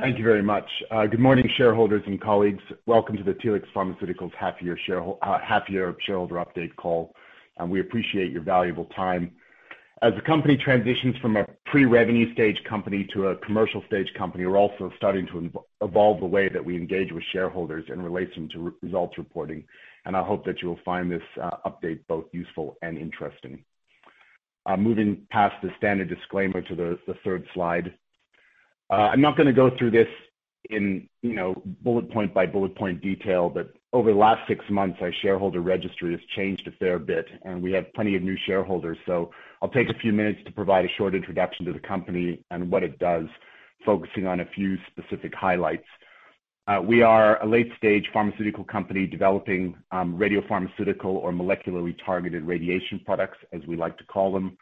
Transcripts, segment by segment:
Thank you very much. Good morning, shareholders and colleagues. Welcome to the Telix Pharmaceuticals half year shareholder update call, and we appreciate your valuable time. As the company transitions from a pre-revenue stage company to a commercial stage company, we're also starting to evolve the way that we engage with shareholders in relation to results reporting, and I hope that you will find this update both useful and interesting. Moving past the standard disclaimer to the third slide. I'm not going to go through this in bullet point by bullet point detail, but over the last six months, our shareholder registry has changed a fair bit, and we have plenty of new shareholders. I'll take a few minutes to provide a short introduction to the company and what it does, focusing on a few specific highlights. We are a late-stage pharmaceutical company developing radiopharmaceutical or molecularly targeted radiation products, as we like to call them.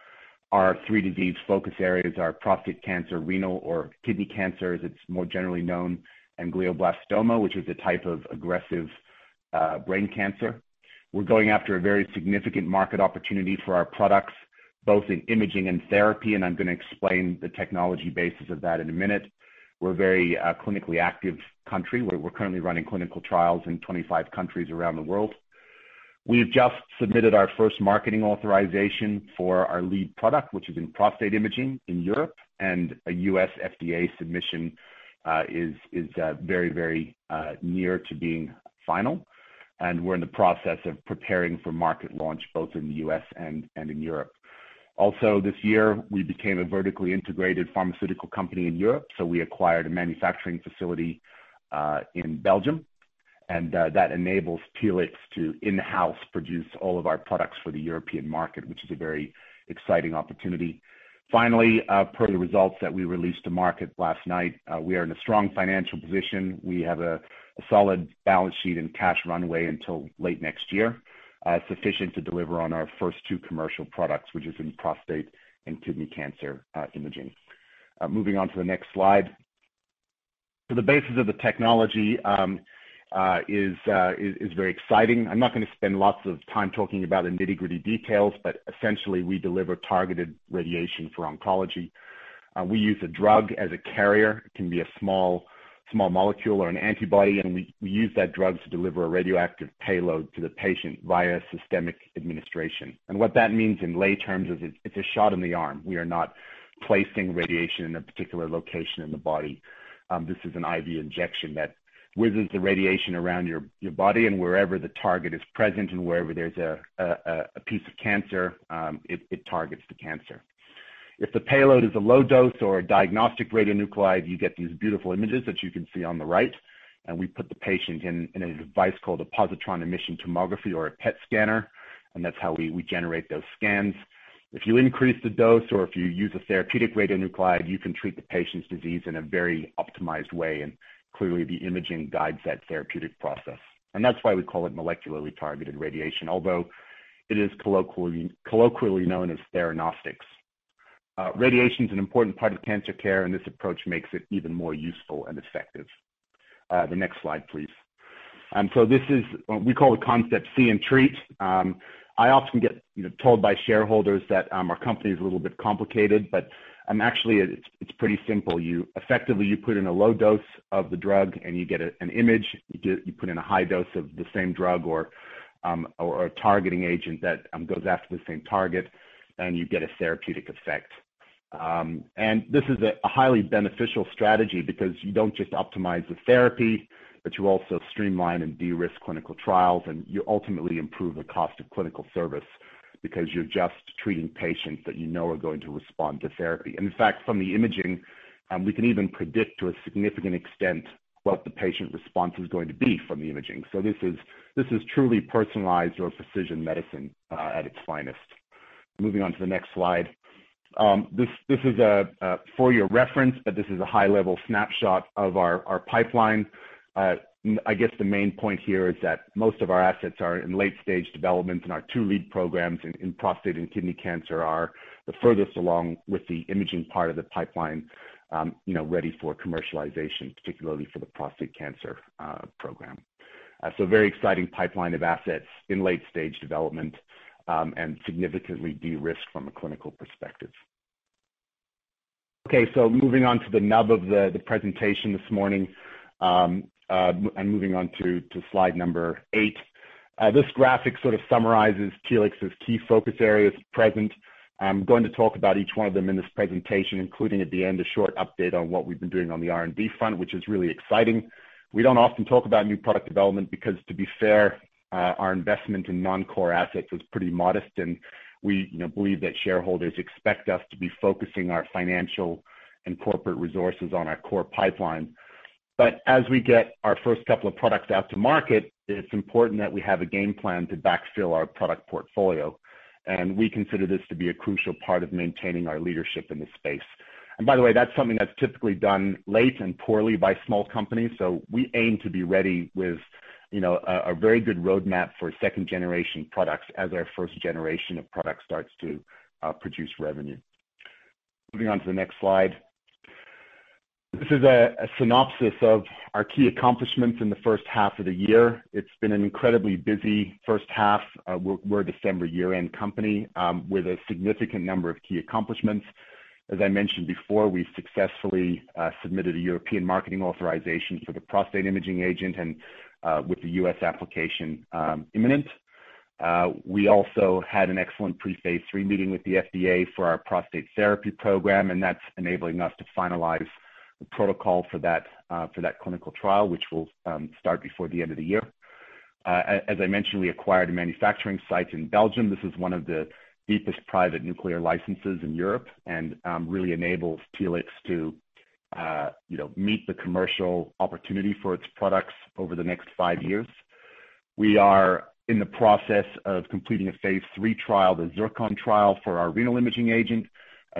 Our three disease focus areas are prostate cancer, renal or kidney cancer as it's more generally known, and glioblastoma, which is a type of aggressive brain cancer. We're going after a very significant market opportunity for our products, both in imaging and therapy, and I'm going to explain the technology basis of that in a minute. We're a very clinically active company, where we're currently running clinical trials in 25 countries around the world. We have just submitted our first marketing authorization for our lead product, which is in prostate imaging in Europe, and a U.S. FDA submission is very near to being final, and we're in the process of preparing for market launch, both in the U.S. and in Europe. Also this year, we became a vertically integrated pharmaceutical company in Europe. We acquired a manufacturing facility in Belgium. That enables Telix to in-house produce all of our products for the European market, which is a very exciting opportunity. Finally, per the results that we released to market last night, we are in a strong financial position. We have a solid balance sheet and cash runway until late next year, sufficient to deliver on our first two commercial products, which is in prostate and kidney cancer imaging. Moving on to the next slide. The basis of the technology is very exciting. I'm not going to spend lots of time talking about the nitty-gritty details. Essentially, we deliver targeted radiation for oncology. We use a drug as a carrier. It can be a small molecule or an antibody, and we use that drug to deliver a radioactive payload to the patient via systemic administration. What that means in lay terms is it's a shot in the arm. We are not placing radiation in a particular location in the body. This is an IV injection that whizzens the radiation around your body and wherever the target is present and wherever there's a piece of cancer, it targets the cancer. If the payload is a low dose or a diagnostic radionuclide, you get these beautiful images that you can see on the right, and we put the patient in a device called a positron emission tomography or a PET scanner, and that's how we generate those scans. If you increase the dose or if you use a therapeutic radionuclide, you can treat the patient's disease in a very optimized way, clearly the imaging guides that therapeutic process. That's why we call it Molecularly Targeted Radiation. Although, it is colloquially known as theranostics. Radiation's an important part of cancer care, this approach makes it even more useful and effective. The next slide, please. This is we call the concept see and treat. I often get told by shareholders that our company is a little bit complicated, actually, it's pretty simple. Effectively, you put in a low dose of the drug you get an image. You put in a high dose of the same drug or a targeting agent that goes after the same target, you get a therapeutic effect. This is a highly beneficial strategy because you do not just optimize the therapy, but you also streamline and de-risk clinical trials, and you ultimately improve the cost of clinical service because you are just treating patients that you know are going to respond to therapy. In fact, from the imaging, we can even predict to a significant extent what the patient response is going to be from the imaging. This is truly personalized or precision medicine at its finest. Moving on to the next slide. This is for your reference, but this is a high-level snapshot of our pipeline. I guess the main point here is that most of our assets are in late-stage development, and our two lead programs in prostate and kidney cancer are the furthest along with the imaging part of the pipeline ready for commercialization, particularly for the prostate cancer program. Very exciting pipeline of assets in late-stage development, and significantly de-risked from a clinical perspective. Moving on to the nub of the presentation this morning, and moving on to slide number eight. This graphic sort of summarizes Telix's key focus areas to present. I'm going to talk about each one of them in this presentation, including at the end, a short update on what we've been doing on the R&D front, which is really exciting. We don't often talk about new product development because, to be fair, our investment in non-core assets was pretty modest, and we believe that shareholders expect us to be focusing our financial and corporate resources on our core pipeline. As we get our first couple of products out to market, it's important that we have a game plan to backfill our product portfolio, we consider this to be a crucial part of maintaining our leadership in this space. By the way, that's something that's typically done late and poorly by small companies. We aim to be ready with a very good roadmap for second-generation products as our first generation of products starts to produce revenue. Moving on to the next slide. This is a synopsis of our key accomplishments in the first half of the year. It's been an incredibly busy first half. We're a December year-end company with a significant number of key accomplishments. As I mentioned before, we successfully submitted a European Marketing Authorisation for the prostate imaging agent, and with the U.S. application imminent. We also had an excellent pre-phase III meeting with the FDA for our prostate therapy program. That's enabling us to finalize the protocol for that clinical trial, which will start before the end of the year. As I mentioned, we acquired a manufacturing site in Belgium. This is one of the deepest private nuclear licenses in Europe and really enables Telix to meet the commercial opportunity for its products over the next five years. We are in the process of completing a phase III trial, the ZIRCON trial, for our renal imaging agent.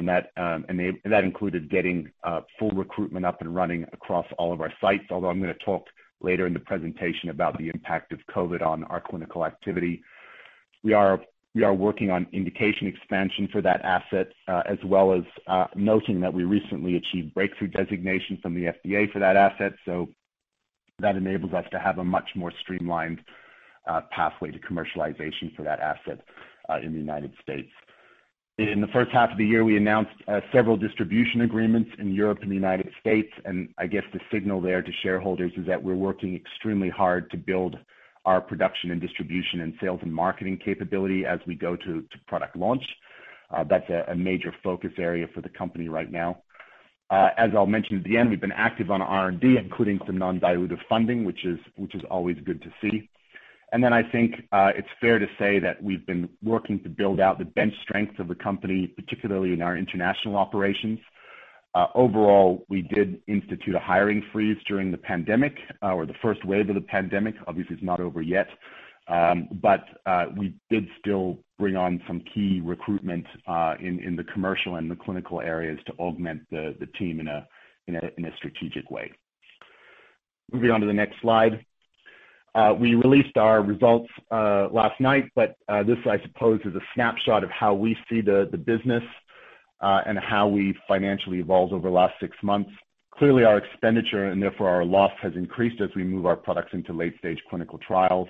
That included getting full recruitment up and running across all of our sites, although I'm going to talk later in the presentation about the impact of COVID on our clinical activity. We are working on indication expansion for that asset, as well as noting that we recently achieved breakthrough designation from the FDA for that asset. That enables us to have a much more streamlined pathway to commercialization for that asset in the U.S. In the first half of the year, we announced several distribution agreements in Europe and the U.S. I guess the signal there to shareholders is that we're working extremely hard to build our production and distribution and sales and marketing capability as we go to product launch. That's a major focus area for the company right now. As I'll mention at the end, we've been active on R&D, including some non-dilutive funding, which is always good to see. I think it's fair to say that we've been working to build out the bench strength of the company, particularly in our international operations. Overall, we did institute a hiring freeze during the pandemic or the first wave of the pandemic. Obviously, it's not over yet. We did still bring on some key recruitment in the commercial and the clinical areas to augment the team in a strategic way. Moving on to the next slide. We released our results last night, this, I suppose, is a snapshot of how we see the business and how we've financially evolved over the last six months. Clearly, our expenditure, and therefore our loss, has increased as we move our products into late-stage clinical trials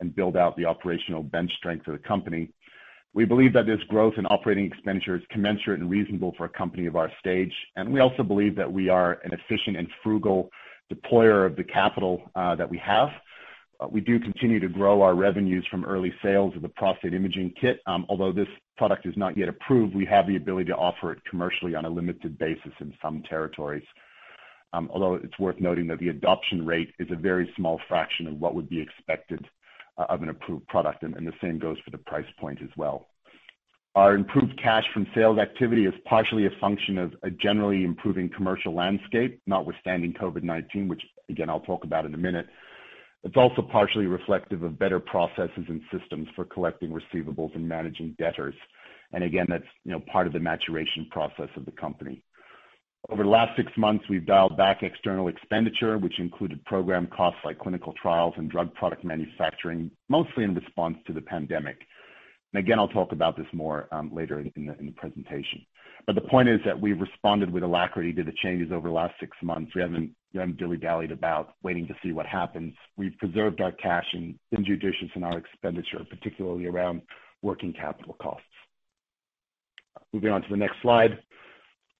and build out the operational bench strength of the company. We believe that this growth in OpEx is commensurate and reasonable for a company of our stage, and we also believe that we are an efficient and frugal deployer of the capital that we have. We do continue to grow our revenues from early sales of the prostate imaging kit. Although this product is not yet approved, we have the ability to offer it commercially on a limited basis in some territories. Although it's worth noting that the adoption rate is a very small fraction of what would be expected of an approved product, and the same goes for the price point as well. Our improved cash from sales activity is partially a function of a generally improving commercial landscape, notwithstanding COVID-19, which again, I'll talk about in a minute. It's also partially reflective of better processes and systems for collecting receivables and managing debtors. Again, that's part of the maturation process of the company. Over the last six months, we've dialed back external expenditure, which included program costs like clinical trials and drug product manufacturing, mostly in response to the pandemic. Again, I'll talk about this more later in the presentation. The point is that we've responded with alacrity to the changes over the last six months. We haven't dilly-dallied about waiting to see what happens. We've preserved our cash and been judicious in our expenditure, particularly around working capital costs. Moving on to the next slide.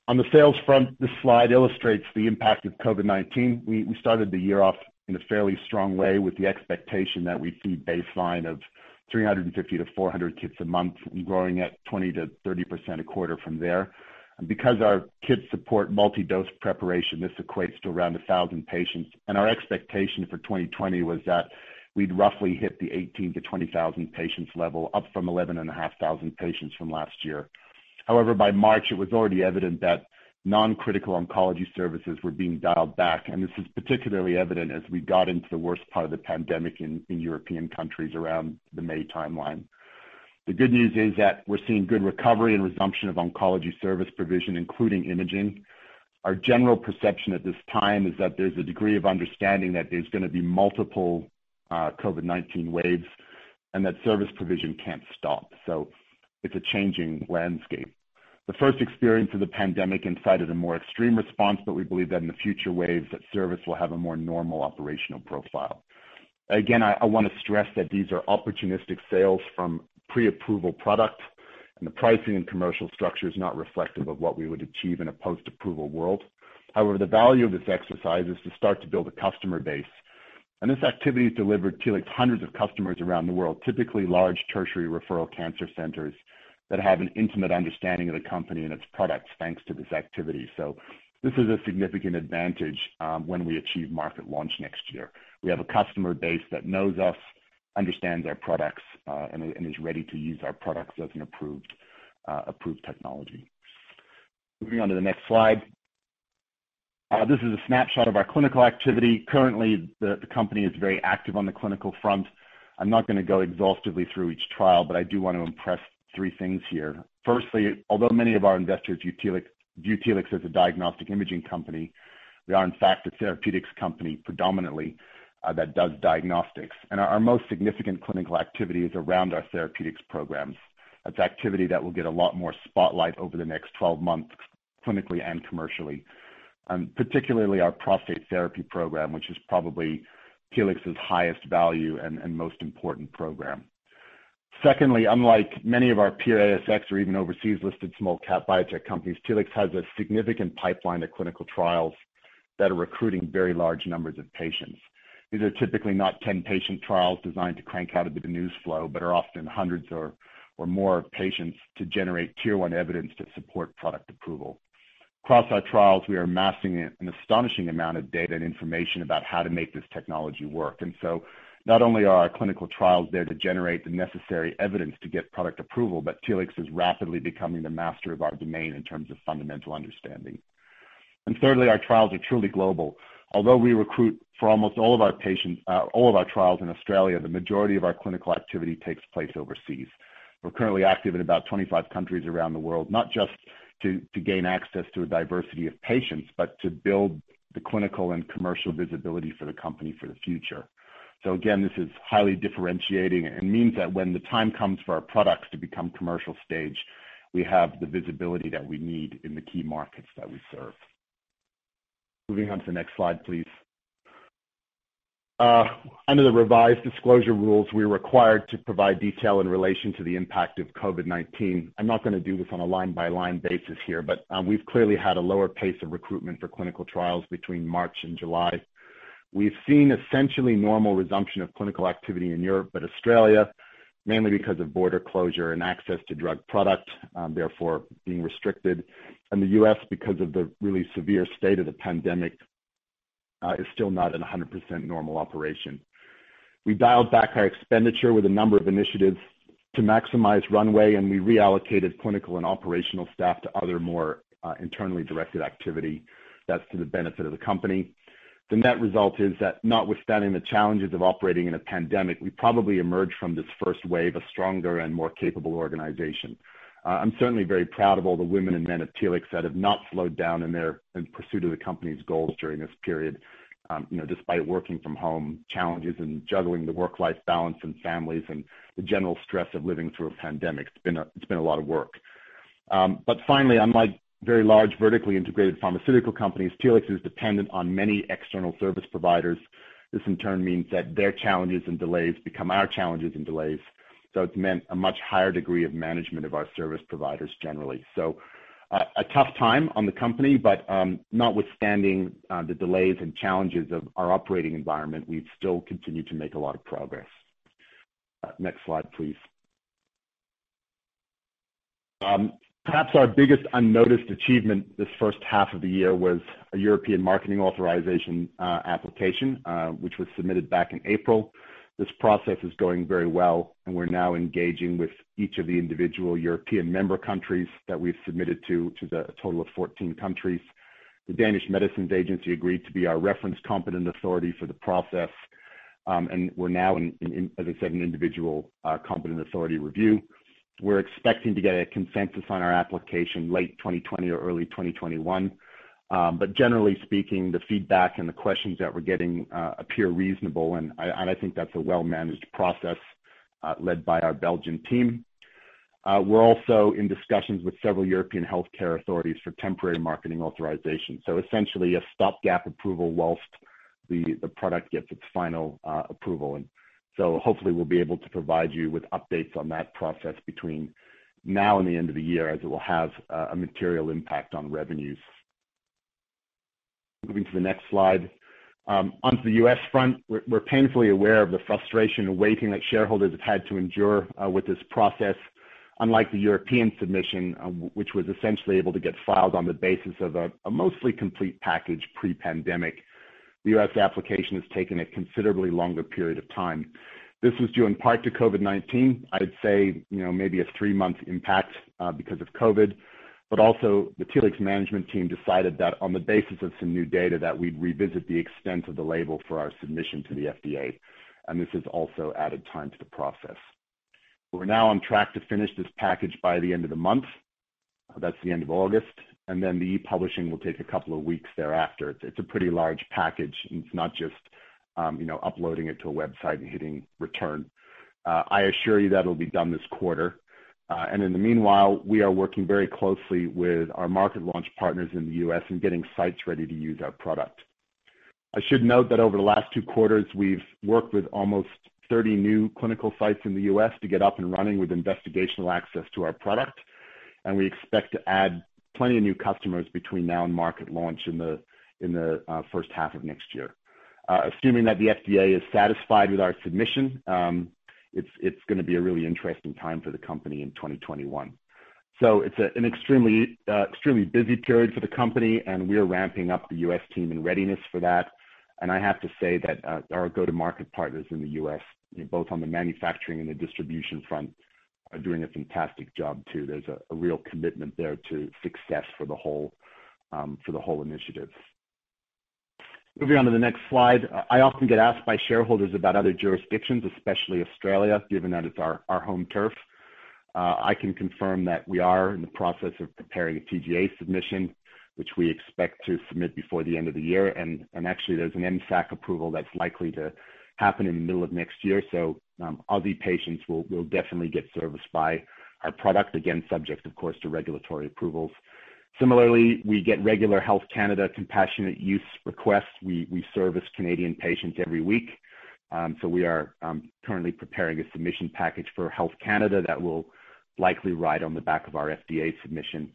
On the sales front, this slide illustrates the impact of COVID-19. We started the year off in a fairly strong way with the expectation that we'd see baseline of 350 to 400 kits a month and growing at 20%-30% a quarter from there. Because our kits support multi-dose preparation, this equates to around 1,000 patients. Our expectation for 2020 was that we'd roughly hit the 18,000-20,000 patients level, up from 11,500 patients from last year. However, by March, it was already evident that non-critical oncology services were being dialed back, and this is particularly evident as we got into the worst part of the pandemic in European countries around the May timeline. The good news is that we're seeing good recovery and resumption of oncology service provision, including imaging. Our general perception at this time is that there's a degree of understanding that there's going to be multiple COVID-19 waves and that service provision can't stop. It's a changing landscape. The first experience of the pandemic incited a more extreme response, but we believe that in the future waves, that service will have a more normal operational profile. Again, I want to stress that these are opportunistic sales from pre-approval product, and the pricing and commercial structure is not reflective of what we would achieve in a post-approval world. However, the value of this exercise is to start to build a customer base, and this activity has delivered Telix hundreds of customers around the world, typically large tertiary referral cancer centers that have an intimate understanding of the company and its products, thanks to this activity. This is a significant advantage when we achieve market launch next year. We have a customer base that knows us, understands our products, and is ready to use our products as an approved technology. Moving on to the next slide. This is a snapshot of our clinical activity. Currently, the company is very active on the clinical front. I'm not going to go exhaustively through each trial. I do want to impress three things here. Firstly, although many of our investors view Telix as a diagnostic imaging company, we are in fact a therapeutics company predominantly that does diagnostics, and our most significant clinical activity is around our therapeutics programs. That's activity that will get a lot more spotlight over the next 12 months, clinically and commercially, particularly our prostate therapy program, which is probably Telix's highest value and most important program. Secondly, unlike many of our peer ASX or even overseas listed small cap biotech companies, Telix has a significant pipeline of clinical trials that are recruiting very large numbers of patients. These are typically not 10 patient trials designed to crank out a bit of news flow, but are often hundreds or more patients to generate Tier 1 evidence to support product approval. Across our trials, we are amassing an astonishing amount of data and information about how to make this technology work. Not only are our clinical trials there to generate the necessary evidence to get product approval, but Telix is rapidly becoming the master of our domain in terms of fundamental understanding. Thirdly, our trials are truly global. Although we recruit for almost all of our trials in Australia, the majority of our clinical activity takes place overseas. We are currently active in about 25 countries around the world, not just to gain access to a diversity of patients, but to build the clinical and commercial visibility for the company for the future. Again, this is highly differentiating and means that when the time comes for our products to become commercial stage, we have the visibility that we need in the key markets that we serve. Moving on to the next slide, please. Under the revised disclosure rules, we're required to provide detail in relation to the impact of COVID-19. I'm not going to do this on a line-by-line basis here. We've clearly had a lower pace of recruitment for clinical trials between March and July. We've seen essentially normal resumption of clinical activity in Europe. Australia, mainly because of border closure and access to drug product therefore being restricted, and the U.S. because of the really severe state of the pandemic, is still not at 100% normal operation. We dialed back our expenditure with a number of initiatives to maximize runway. We reallocated clinical and operational staff to other, more internally directed activity that's to the benefit of the company. The net result is that notwithstanding the challenges of operating in a pandemic, we probably emerge from this first wave a stronger and more capable organization. I'm certainly very proud of all the women and men of Telix that have not slowed down in pursuit of the company's goals during this period, despite working from home challenges and juggling the work-life balance and families and the general stress of living through a pandemic. It's been a lot of work. Finally, unlike very large, vertically integrated pharmaceutical companies, Telix is dependent on many external service providers. This in turn means that their challenges and delays become our challenges and delays. It's meant a much higher degree of management of our service providers generally. A tough time on the company, but notwithstanding the delays and challenges of our operating environment, we've still continued to make a lot of progress. Next slide, please. Perhaps our biggest unnoticed achievement this first half of the year was a European Marketing Authorization application, which was submitted back in April. This process is going very well and we're now engaging with each of the individual European member countries that we've submitted to, a total of 14 countries. The Danish Medicines Agency agreed to be our reference competent authority for the process, and we're now in, as I said, an individual competent authority review. We're expecting to get a consensus on our application late 2020 or early 2021. Generally speaking, the feedback and the questions that we're getting appear reasonable, and I think that's a well-managed process led by our Belgian team. We're also in discussions with several European healthcare authorities for temporary marketing authorization. Essentially a stopgap approval whilst the product gets its final approval. Hopefully we'll be able to provide you with updates on that process between now and the end of the year as it will have a material impact on revenues. Moving to the next slide. Onto the U.S. front. We're painfully aware of the frustration and waiting that shareholders have had to endure with this process. Unlike the European submission, which was essentially able to get filed on the basis of a mostly complete package pre-pandemic, the U.S. application has taken a considerably longer period of time. This was due in part to COVID-19. I'd say maybe a three-month impact because of COVID, but also the Telix management team decided that on the basis of some new data, that we'd revisit the extent of the label for our submission to the FDA, and this has also added time to the process. We're now on track to finish this package by the end of the month. That's the end of August, and then the e-publishing will take a couple of weeks thereafter. It's a pretty large package. It's not just uploading it to a website and hitting Return. I assure you that'll be done this quarter. In the meanwhile, we are working very closely with our market launch partners in the U.S. in getting sites ready to use our product. I should note that over the last two quarters, we've worked with almost 30 new clinical sites in the U.S. to get up and running with investigational access to our product, and we expect to add plenty of new customers between now and market launch in the first half of next year. Assuming that the FDA is satisfied with our submission, it's going to be a really interesting time for the company in 2021. It's an extremely busy period for the company and we're ramping up the U.S. team in readiness for that. I have to say that our go-to-market partners in the U.S., both on the manufacturing and the distribution front, are doing a fantastic job too. There's a real commitment there to success for the whole initiative. Moving on to the next slide. I often get asked by shareholders about other jurisdictions, especially Australia, given that it's our home turf. I can confirm that we are in the process of preparing a TGA submission, which we expect to submit before the end of the year. Actually, there's an MSAC approval that's likely to happen in the middle of next year. Aussie patients will definitely get serviced by our product, again, subject of course, to regulatory approvals. Similarly, we get regular Health Canada compassionate use requests. We service Canadian patients every week. We are currently preparing a submission package for Health Canada that will likely ride on the back of our FDA submission.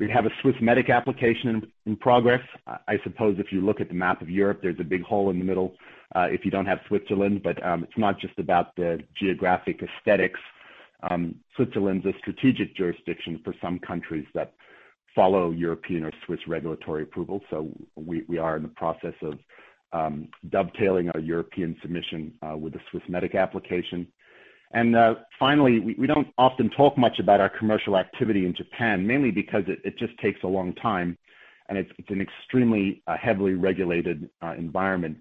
We have a Swissmedic application in progress. I suppose if you look at the map of Europe, there's a big hole in the middle if you don't have Switzerland, but it's not just about the geographic aesthetics. Switzerland's a strategic jurisdiction for some countries that follow European or Swiss regulatory approval. We are in the process of dovetailing our European submission with a Swissmedic application. Finally, we don't often talk much about our commercial activity in Japan, mainly because it just takes a long time, and it's an extremely heavily regulated environment.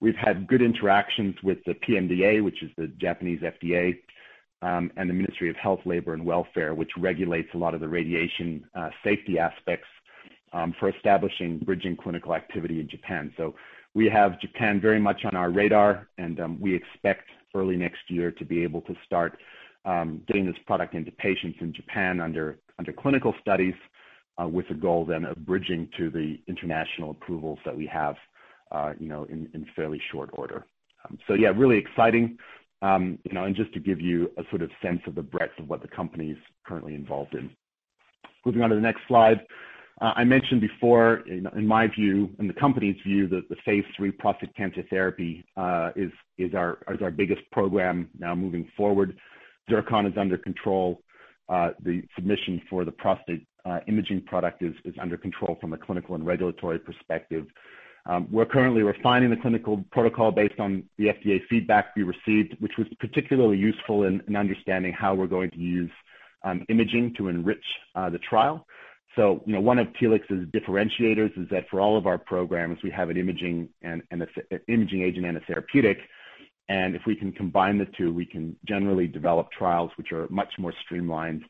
We've had good interactions with the PMDA, which is the Japanese FDA, and the Ministry of Health, Labour, and Welfare, which regulates a lot of the radiation safety aspects for establishing bridging clinical activity in Japan. We have Japan very much on our radar, and we expect early next year to be able to start getting this product into patients in Japan under clinical studies, with the goal then of bridging to the international approvals that we have in fairly short order. Yeah, really exciting, and just to give you a sort of sense of the breadth of what the company's currently involved in. Moving on to the next slide. I mentioned before, in my view, in the company's view, that the phase III prostate cancer therapy is our biggest program now moving forward. ZIRCON is under control. The submission for the prostate imaging product is under control from a clinical and regulatory perspective. We're currently refining the clinical protocol based on the FDA feedback we received, which was particularly useful in understanding how we're going to use imaging to enrich the trial. One of Telix's differentiators is that for all of our programs, we have an imaging agent and a therapeutic, and if we can combine the two, we can generally develop trials which are much more streamlined,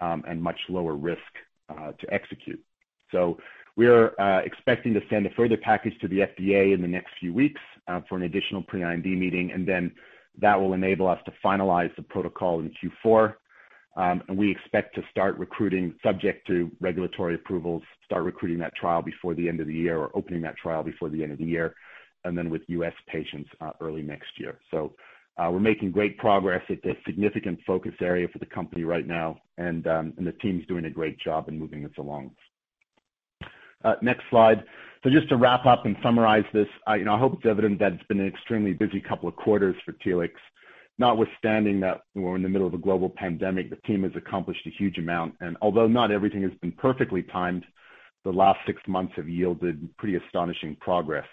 and much lower risk to execute. We're expecting to send a further package to the FDA in the next few weeks for an additional pre-IND meeting, and then that will enable us to finalize the protocol in Q4. We expect to start recruiting, subject to regulatory approvals, start recruiting that trial before the end of the year or opening that trial before the end of the year, then with U.S. patients early next year. We're making great progress. It's a significant focus area for the company right now, and the team's doing a great job in moving this along. Next slide. Just to wrap up and summarize this, I hope it's evident that it's been an extremely busy couple of quarters for Telix. Notwithstanding that we're in the middle of a global pandemic, the team has accomplished a huge amount, and although not everything has been perfectly timed, the last six months have yielded pretty astonishing progress.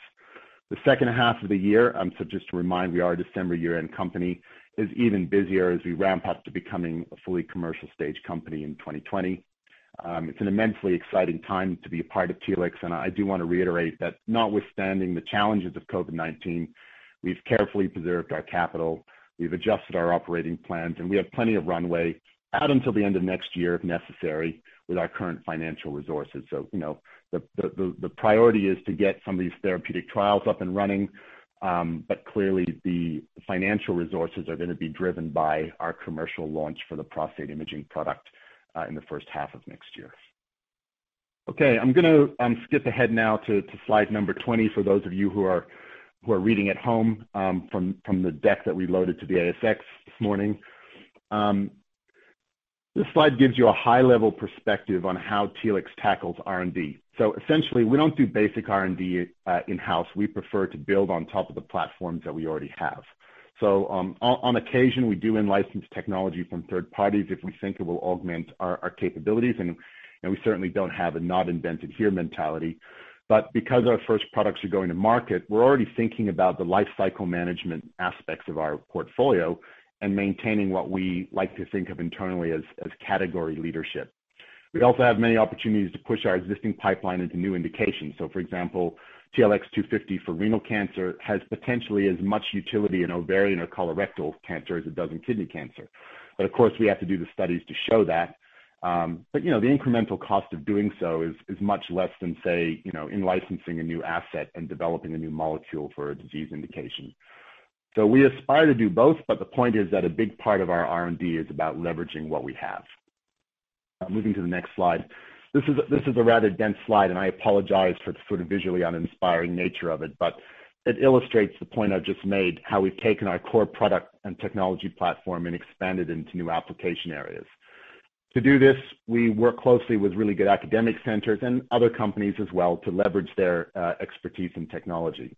The second half of the year, just to remind, we are a December year-end company, is even busier as we ramp up to becoming a fully commercial stage company in 2020. It's an immensely exciting time to be a part of Telix, and I do want to reiterate that notwithstanding the challenges of COVID-19, we've carefully preserved our capital, we've adjusted our operating plans, and we have plenty of runway out until the end of next year if necessary with our current financial resources. The priority is to get some of these therapeutic trials up and running, but clearly the financial resources are going to be driven by our commercial launch for the prostate imaging product, in the first half of next year. Okay. I'm gonna skip ahead now to slide number 20 for those of you who are reading at home from the deck that we loaded to the ASX this morning. This slide gives you a high-level perspective on how Telix tackles R&D. Essentially, we don't do basic R&D in-house. We prefer to build on top of the platforms that we already have. On occasion, we do in-license technology from third parties if we think it will augment our capabilities, and we certainly don't have a not invented here mentality. Because our first products are going to market, we're already thinking about the life cycle management aspects of our portfolio and maintaining what we like to think of internally as category leadership. We also have many opportunities to push our existing pipeline into new indications. For example, TLX250 for renal cancer has potentially as much utility in ovarian or colorectal cancer as it does in kidney cancer. Of course, we have to do the studies to show that. The incremental cost of doing so is much less than, say, in licensing a new asset and developing a new molecule for a disease indication. We aspire to do both, but the point is that a big part of our R&D is about leveraging what we have. Moving to the next slide. This is a rather dense slide, and I apologize for the visually uninspiring nature of it, but it illustrates the point I've just made, how we've taken our core product and technology platform and expanded into new application areas. To do this, we work closely with really good academic centers and other companies as well to leverage their expertise and technology.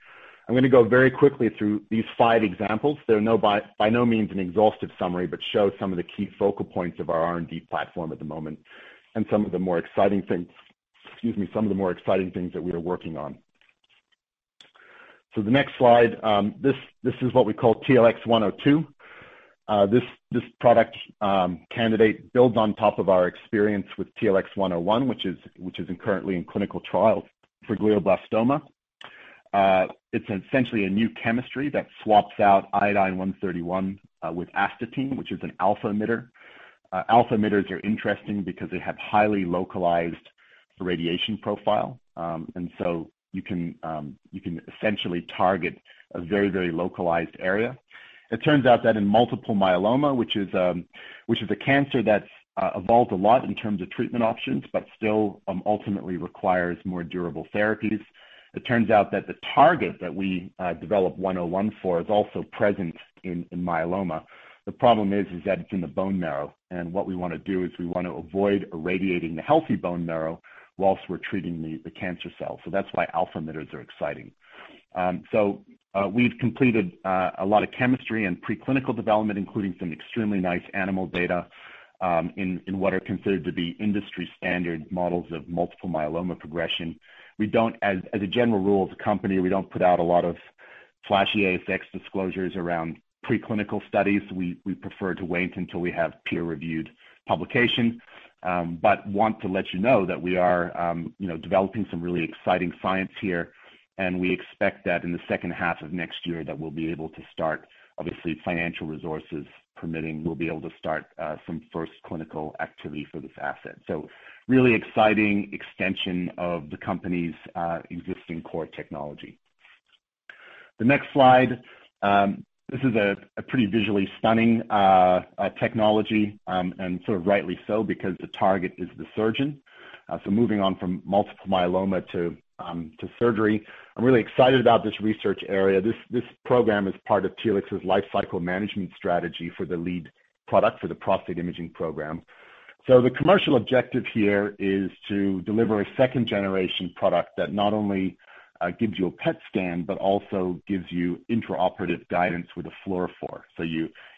I'm going to go very quickly through these five examples. They're by no means an exhaustive summary, but show some of the key focal points of our R&D platform at the moment and some of the more exciting things that we are working on. The next slide, this is what we call TLX102. This product candidate builds on top of our experience with TLX101, which is currently in clinical trials for glioblastoma. It's essentially a new chemistry that swaps out iodine-131 with astatine, which is an alpha emitter. Alpha emitters are interesting because they have highly localized radiation profile. You can essentially target a very localized area. It turns out that in multiple myeloma, which is a cancer that's evolved a lot in terms of treatment options, but still ultimately requires more durable therapies, it turns out that the target that we developed 101 for is also present in myeloma. The problem is that it's in the bone marrow, and what we want to do is we want to avoid irradiating the healthy bone marrow while we're treating the cancer cells. That's why alpha emitters are exciting. We've completed a lot of chemistry and preclinical development, including some extremely nice animal data, in what are considered to be industry-standard models of multiple myeloma progression. As a general rule of the company, we don't put out a lot of flashy ASX disclosures around preclinical studies. We prefer to wait until we have peer-reviewed publication. Want to let you know that we are developing some really exciting science here, and we expect that in the second half of next year that we'll be able to start, obviously, financial resources permitting, we'll be able to start some first clinical activity for this asset. Really exciting extension of the company's existing core technology. The next slide. This is a pretty visually stunning technology, and rightly so, because the target is the surgeon. Moving on from multiple myeloma to surgery. I'm really excited about this research area. This program is part of Telix's life cycle management strategy for the lead product for the prostate imaging program. The commercial objective here is to deliver a second-generation product that not only gives you a PET scan, but also gives you intraoperative guidance with a fluorophore.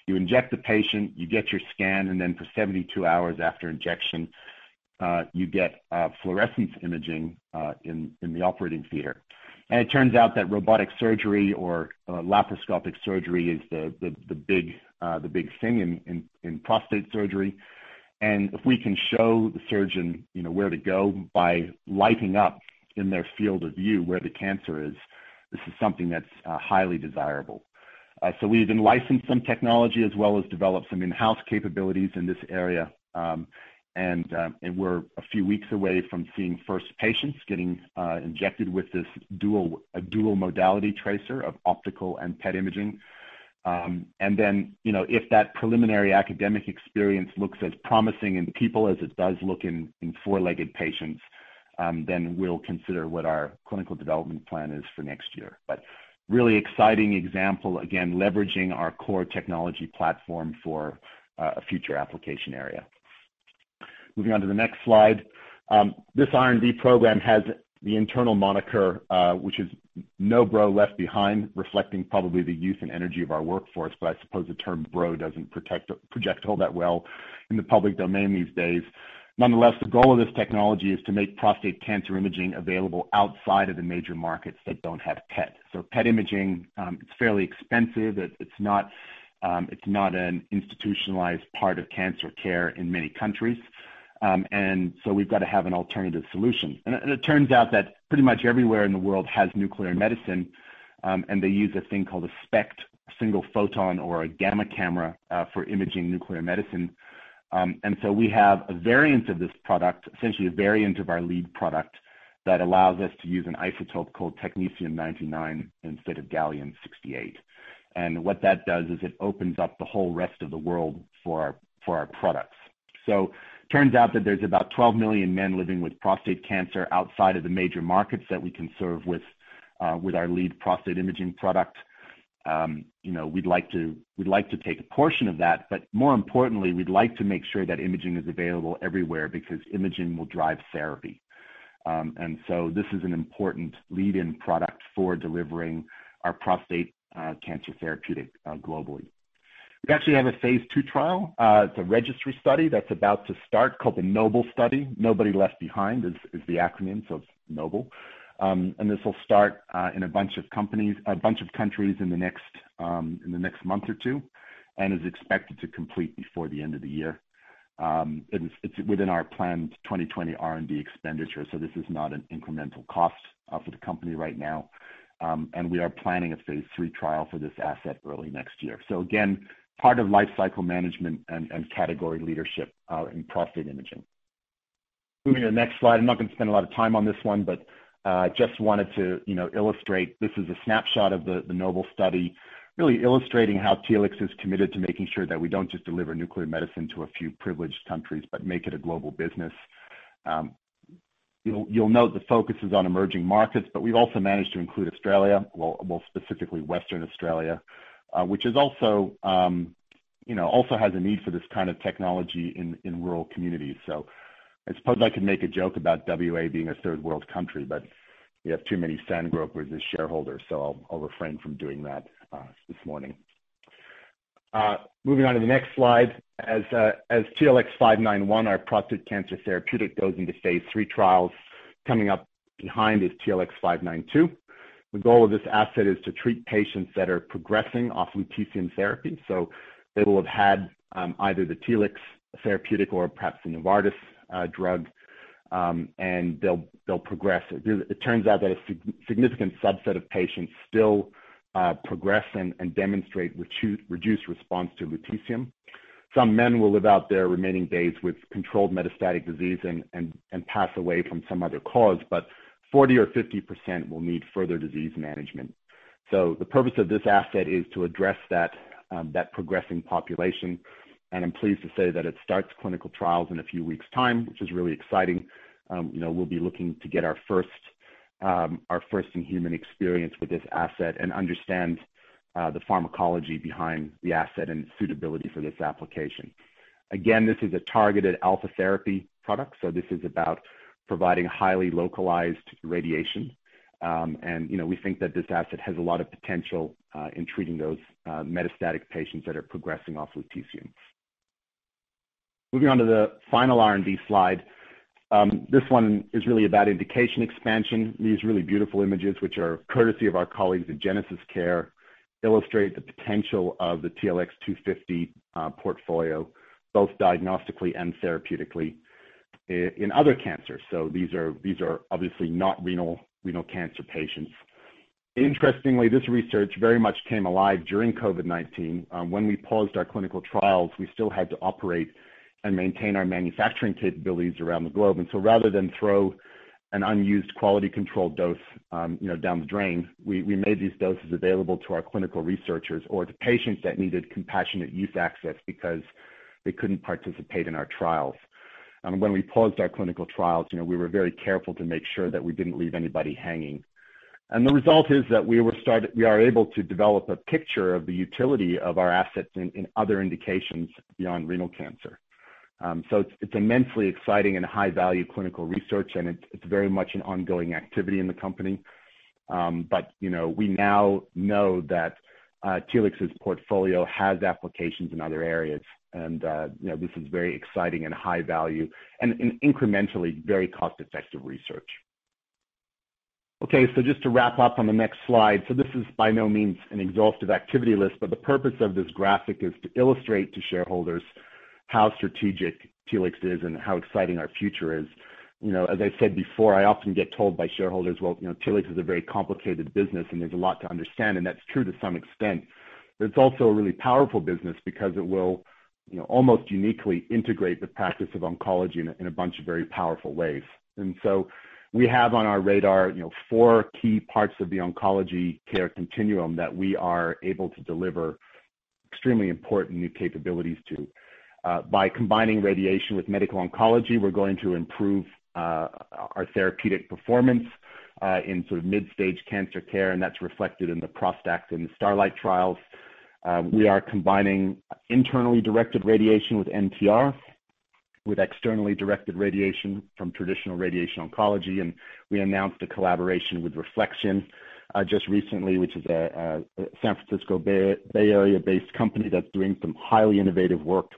You inject the patient, you get your scan, and then for 72 hours after injection, you get fluorescence imaging in the operating theater. It turns out that robotic surgery or laparoscopic surgery is the big thing in prostate surgery. If we can show the surgeon where to go by lighting up in their field of view where the cancer is, this is something that's highly desirable. We've been licensed some technology as well as developed some in-house capabilities in this area. We're a few weeks away from seeing first patients getting injected with this dual modality tracer of optical and PET imaging. If that preliminary academic experience looks as promising in people as it does look in four-legged patients, we'll consider what our clinical development plan is for next year. Really exciting example, again, leveraging our core technology platform for a future application area. Moving on to the next slide. This R&D program has the internal moniker, which is No Bro Left Behind, reflecting probably the youth and energy of our workforce, but I suppose the term bro doesn't project all that well in the public domain these days. Nonetheless, the goal of this technology is to make prostate cancer imaging available outside of the major markets that don't have PET. PET imaging, it's fairly expensive. It's not an institutionalized part of cancer care in many countries. We've got to have an alternative solution. It turns out that pretty much everywhere in the world has nuclear medicine, and they use a thing called a SPECT, single photon or a gamma camera for imaging nuclear medicine. We have a variant of this product, essentially a variant of our lead product, that allows us to use an isotope called technetium-99 instead of gallium-68. What that does is it opens up the whole rest of the world for our products. Turns out that there's about 12 million men living with prostate cancer outside of the major markets that we can serve with our lead prostate imaging product. We'd like to take a portion of that, but more importantly, we'd like to make sure that imaging is available everywhere because imaging will drive therapy. This is an important lead-in product for delivering our prostate cancer therapeutic globally. We actually have a phase II trial. It's a registry study that's about to start called the NOBLE study. Nobody Left Behind is the acronym, so NOBLE. This will start in a bunch of countries in the next month or two and is expected to complete before the end of the year. It's within our planned 2020 R&D expenditure, so this is not an incremental cost for the company right now. We are planning a phase III trial for this asset early next year. Again, part of life cycle management and category leadership in prostate imaging. Moving to the next slide. I'm not going to spend a lot of time on this one, but just wanted to illustrate, this is a snapshot of the NOBLE study, really illustrating how Telix is committed to making sure that we don't just deliver nuclear medicine to a few privileged countries but make it a global business. You'll note the focus is on emerging markets, but we've also managed to include Australia, well, specifically Western Australia, which also has a need for this kind of technology in rural communities. I suppose I could make a joke about WA being a third world country, but we have too many Sandgropers as shareholders, so I'll refrain from doing that this morning. Moving on to the next slide. As TLX591, our prostate cancer therapeutic, goes into phase III trials, coming up behind is TLX592. The goal of this asset is to treat patients that are progressing off lutetium therapy. They will have had either the Telix therapeutic or perhaps the Novartis drug. They'll progress. It turns out that a significant subset of patients still progress and demonstrate reduced response to lutetium. Some men will live out their remaining days with controlled metastatic disease and pass away from some other cause. 40% or 50% will need further disease management. The purpose of this asset is to address that progressing population, and I'm pleased to say that it starts clinical trials in a few weeks' time, which is really exciting. We'll be looking to get our first in-human experience with this asset and understand the pharmacology behind the asset and its suitability for this application. Again, this is a targeted alpha therapy product, so this is about providing highly localized radiation. We think that this asset has a lot of potential in treating those metastatic patients that are progressing off lutetium. Moving on to the final R&D slide. This one is really about indication expansion. These really beautiful images, which are courtesy of our colleagues at GenesisCare, illustrate the potential of the TLX250 portfolio, both diagnostically and therapeutically in other cancers. These are obviously not renal cancer patients. Interestingly, this research very much came alive during COVID-19. When we paused our clinical trials, we still had to operate and maintain our manufacturing capabilities around the globe. Rather than throw an unused quality control dose down the drain, we made these doses available to our clinical researchers or to patients that needed compassionate use access because they couldn't participate in our trials. When we paused our clinical trials, we were very careful to make sure that we didn't leave anybody hanging. The result is that we are able to develop a picture of the utility of our assets in other indications beyond renal cancer. It's immensely exciting and high-value clinical research, and it's very much an ongoing activity in the company. We now know that Telix's portfolio has applications in other areas, and this is very exciting and high value and incrementally very cost-effective research. Just to wrap up on the next slide. This is by no means an exhaustive activity list, but the purpose of this graphic is to illustrate to shareholders how strategic Telix is and how exciting our future is. As I said before, I often get told by shareholders, "Well, Telix is a very complicated business and there's a lot to understand" and that's true to some extent. It's also a really powerful business because it will almost uniquely integrate the practice of oncology in a bunch of very powerful ways. We have on our radar four key parts of the oncology care continuum that we are able to deliver extremely important new capabilities to. By combining radiation with medical oncology, we're going to improve our therapeutic performance in sort of mid-stage cancer care, and that's reflected in the ProstACT phase iii and the STARLITE trials. We are combining internally directed radiation with MTR, with externally directed radiation from traditional radiation oncology, and we announced a collaboration with RefleXion just recently, which is a San Francisco, Bay Area-based company that's doing some highly innovative work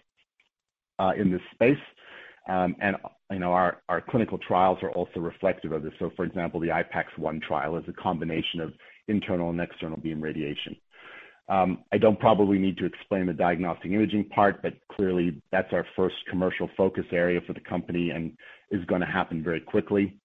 in this space. Our clinical trials are also reflective of this. For example, the IPAX-1 phase I/II trial is a combination of internal and external beam radiation. I don't probably need to explain the diagnostic imaging part, but clearly that's our first commercial focus area for the company and is going to happen very quickly.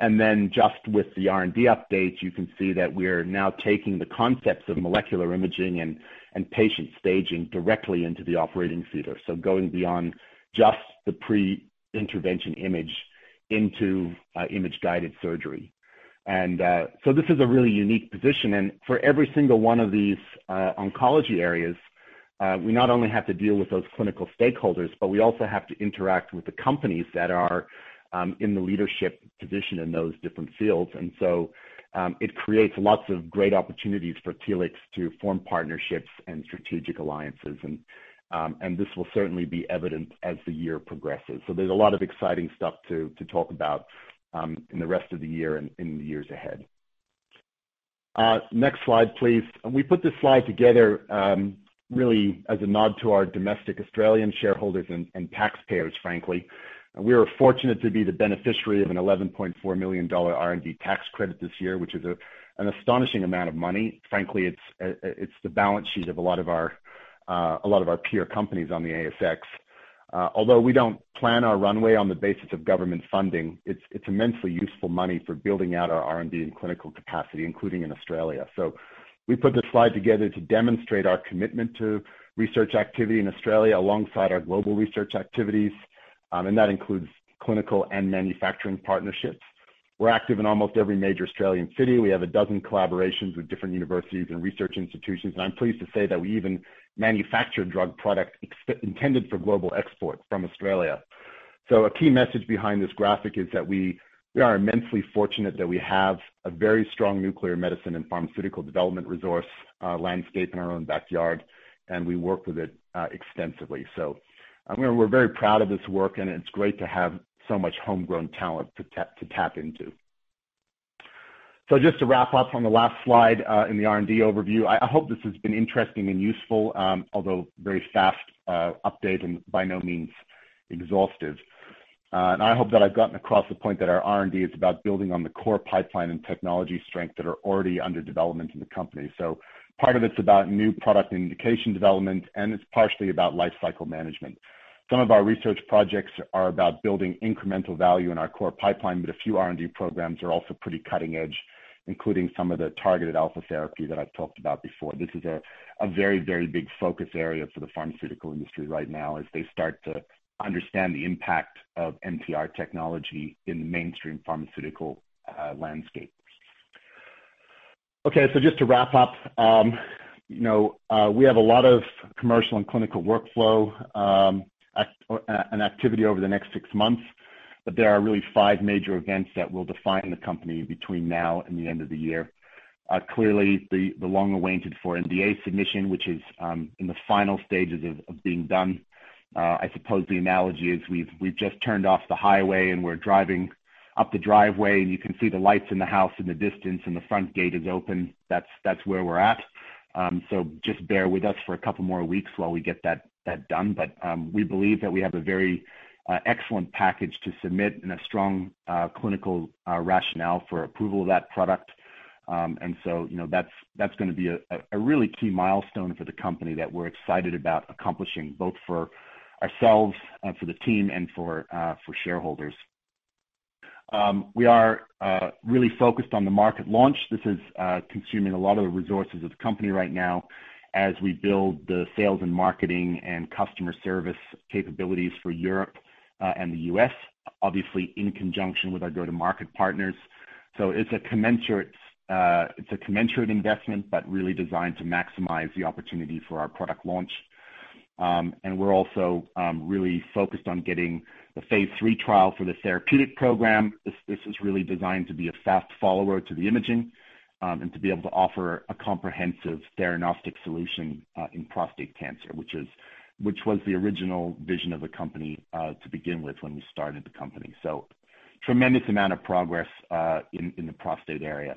Just with the R&D updates, you can see that we're now taking the concepts of molecular imaging and patient staging directly into the operating theater. Going beyond just the pre-intervention image into image-guided surgery. This is a really unique position. For every single one of these oncology areas, we not only have to deal with those clinical stakeholders, but we also have to interact with the companies that are in the leadership position in those different fields. It creates lots of great opportunities for Telix to form partnerships and strategic alliances. This will certainly be evident as the year progresses. There's a lot of exciting stuff to talk about in the rest of the year and in the years ahead. Next slide, please. We put this slide together really as a nod to our domestic Australian shareholders and taxpayers, frankly. We are fortunate to be the beneficiary of an 11.4 million dollar R&D tax credit this year, which is an astonishing amount of money. Frankly, it's the balance sheet of a lot of our peer companies on the ASX. Although we don't plan our runway on the basis of government funding, it's immensely useful money for building out our R&D and clinical capacity, including in Australia. We put this slide together to demonstrate our commitment to research activity in Australia alongside our global research activities, and that includes clinical and manufacturing partnerships. We're active in almost every major Australian city, we have a dozen collaborations with different universities and research institutions, and I'm pleased to say that we even manufacture drug products intended for global export from Australia. A key message behind this graphic is that we are immensely fortunate that we have a very strong nuclear medicine and pharmaceutical development resource landscape in our own backyard, and we work with it extensively. We're very proud of this work, and it's great to have so much homegrown talent to tap into. Just to wrap up on the last slide in the R&D overview, I hope this has been interesting and useful, although very fast update and by no means exhaustive. I hope that I've gotten across the point that our R&D is about building on the core pipeline and technology strength that are already under development in the company. Part of it's about new product and indication development, and it's partially about life cycle management. Some of our research projects are about building incremental value in our core pipeline, but a few R&D programs are also pretty cutting-edge, including some of the targeted alpha therapy that I've talked about before. This is a very big focus area for the pharmaceutical industry right now as they start to understand the impact of MTR technology in the mainstream pharmaceutical landscape. Just to wrap up. We have a lot of commercial and clinical workflow and activity over the next six months, but there are really five major events that will define the company between now and the end of the year. Clearly, the long-awaited for NDA submission, which is in the final stages of being done. I suppose the analogy is we've just turned off the highway, and we're driving up the driveway, and you can see the lights in the house in the distance, and the front gate is open. That's where we're at. Just bear with us for a couple more weeks while we get that done. We believe that we have a very excellent package to submit and a strong clinical rationale for approval of that product. That's going to be a really key milestone for the company that we're excited about accomplishing, both for ourselves, for the team, and for shareholders. We are really focused on the market launch. This is consuming a lot of the resources of the company right now as we build the sales and marketing and customer service capabilities for Europe and the U.S., obviously in conjunction with our go-to-market partners. It's a commensurate investment, but really designed to maximize the opportunity for our product launch. We're also really focused on getting the phase III trial for the therapeutic program. This is really designed to be a fast follower to the imaging, and to be able to offer a comprehensive theranostic solution in prostate cancer, which was the original vision of the company to begin with when we started the company. Tremendous amount of progress in the prostate area.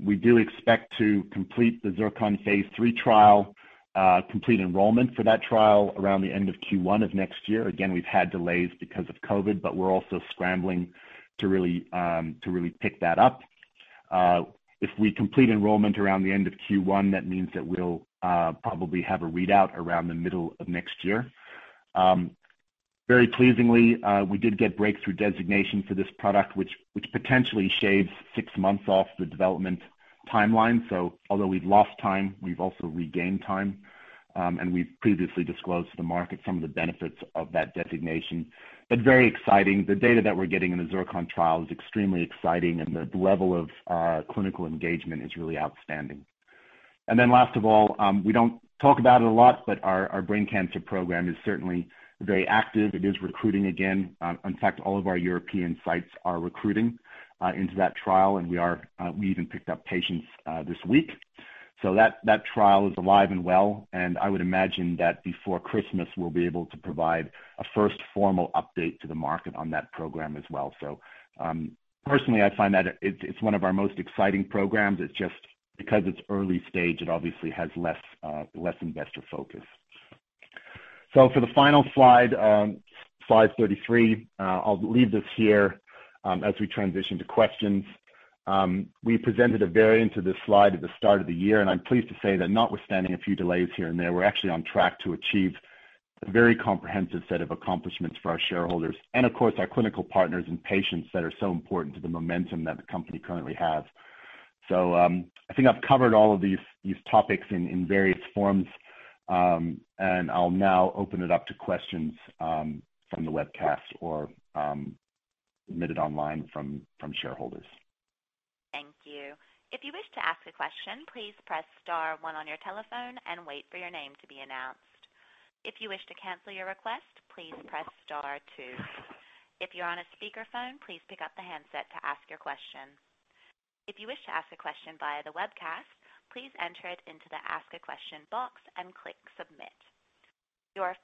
We do expect to complete the ZIRCON phase III trial, complete enrollment for that trial around the end of Q1 of next year. Again, we've had delays because of COVID, but we're also scrambling to really pick that up. If we complete enrollment around the end of Q1, that means that we'll probably have a readout around the middle of next year. Very pleasingly, we did get breakthrough designation for this product, which potentially shaves six months off the development timeline. Although we've lost time, we've also regained time, and we've previously disclosed to the market some of the benefits of that designation. Very exciting. The data that we're getting in the ZIRCON trial is extremely exciting, and the level of clinical engagement is really outstanding. Last of all, we don't talk about it a lot, but our brain cancer program is certainly very active. It is recruiting again. In fact, all of our European sites are recruiting into that trial, and we even picked up patients this week. That trial is alive and well, and I would imagine that before Christmas, we'll be able to provide a first formal update to the market on that program as well. Personally, I find that it's one of our most exciting programs. It's just because it's early stage, it obviously has less investor focus. For the final slide 33, I'll leave this here as we transition to questions. We presented a variant of this slide at the start of the year, and I'm pleased to say that notwithstanding a few delays here and there, we're actually on track to achieve a very comprehensive set of accomplishments for our shareholders and, of course, our clinical partners and patients that are so important to the momentum that the company currently has. I think I've covered all of these topics in various forms, and I'll now open it up to questions from the webcast or submitted online from shareholders. Your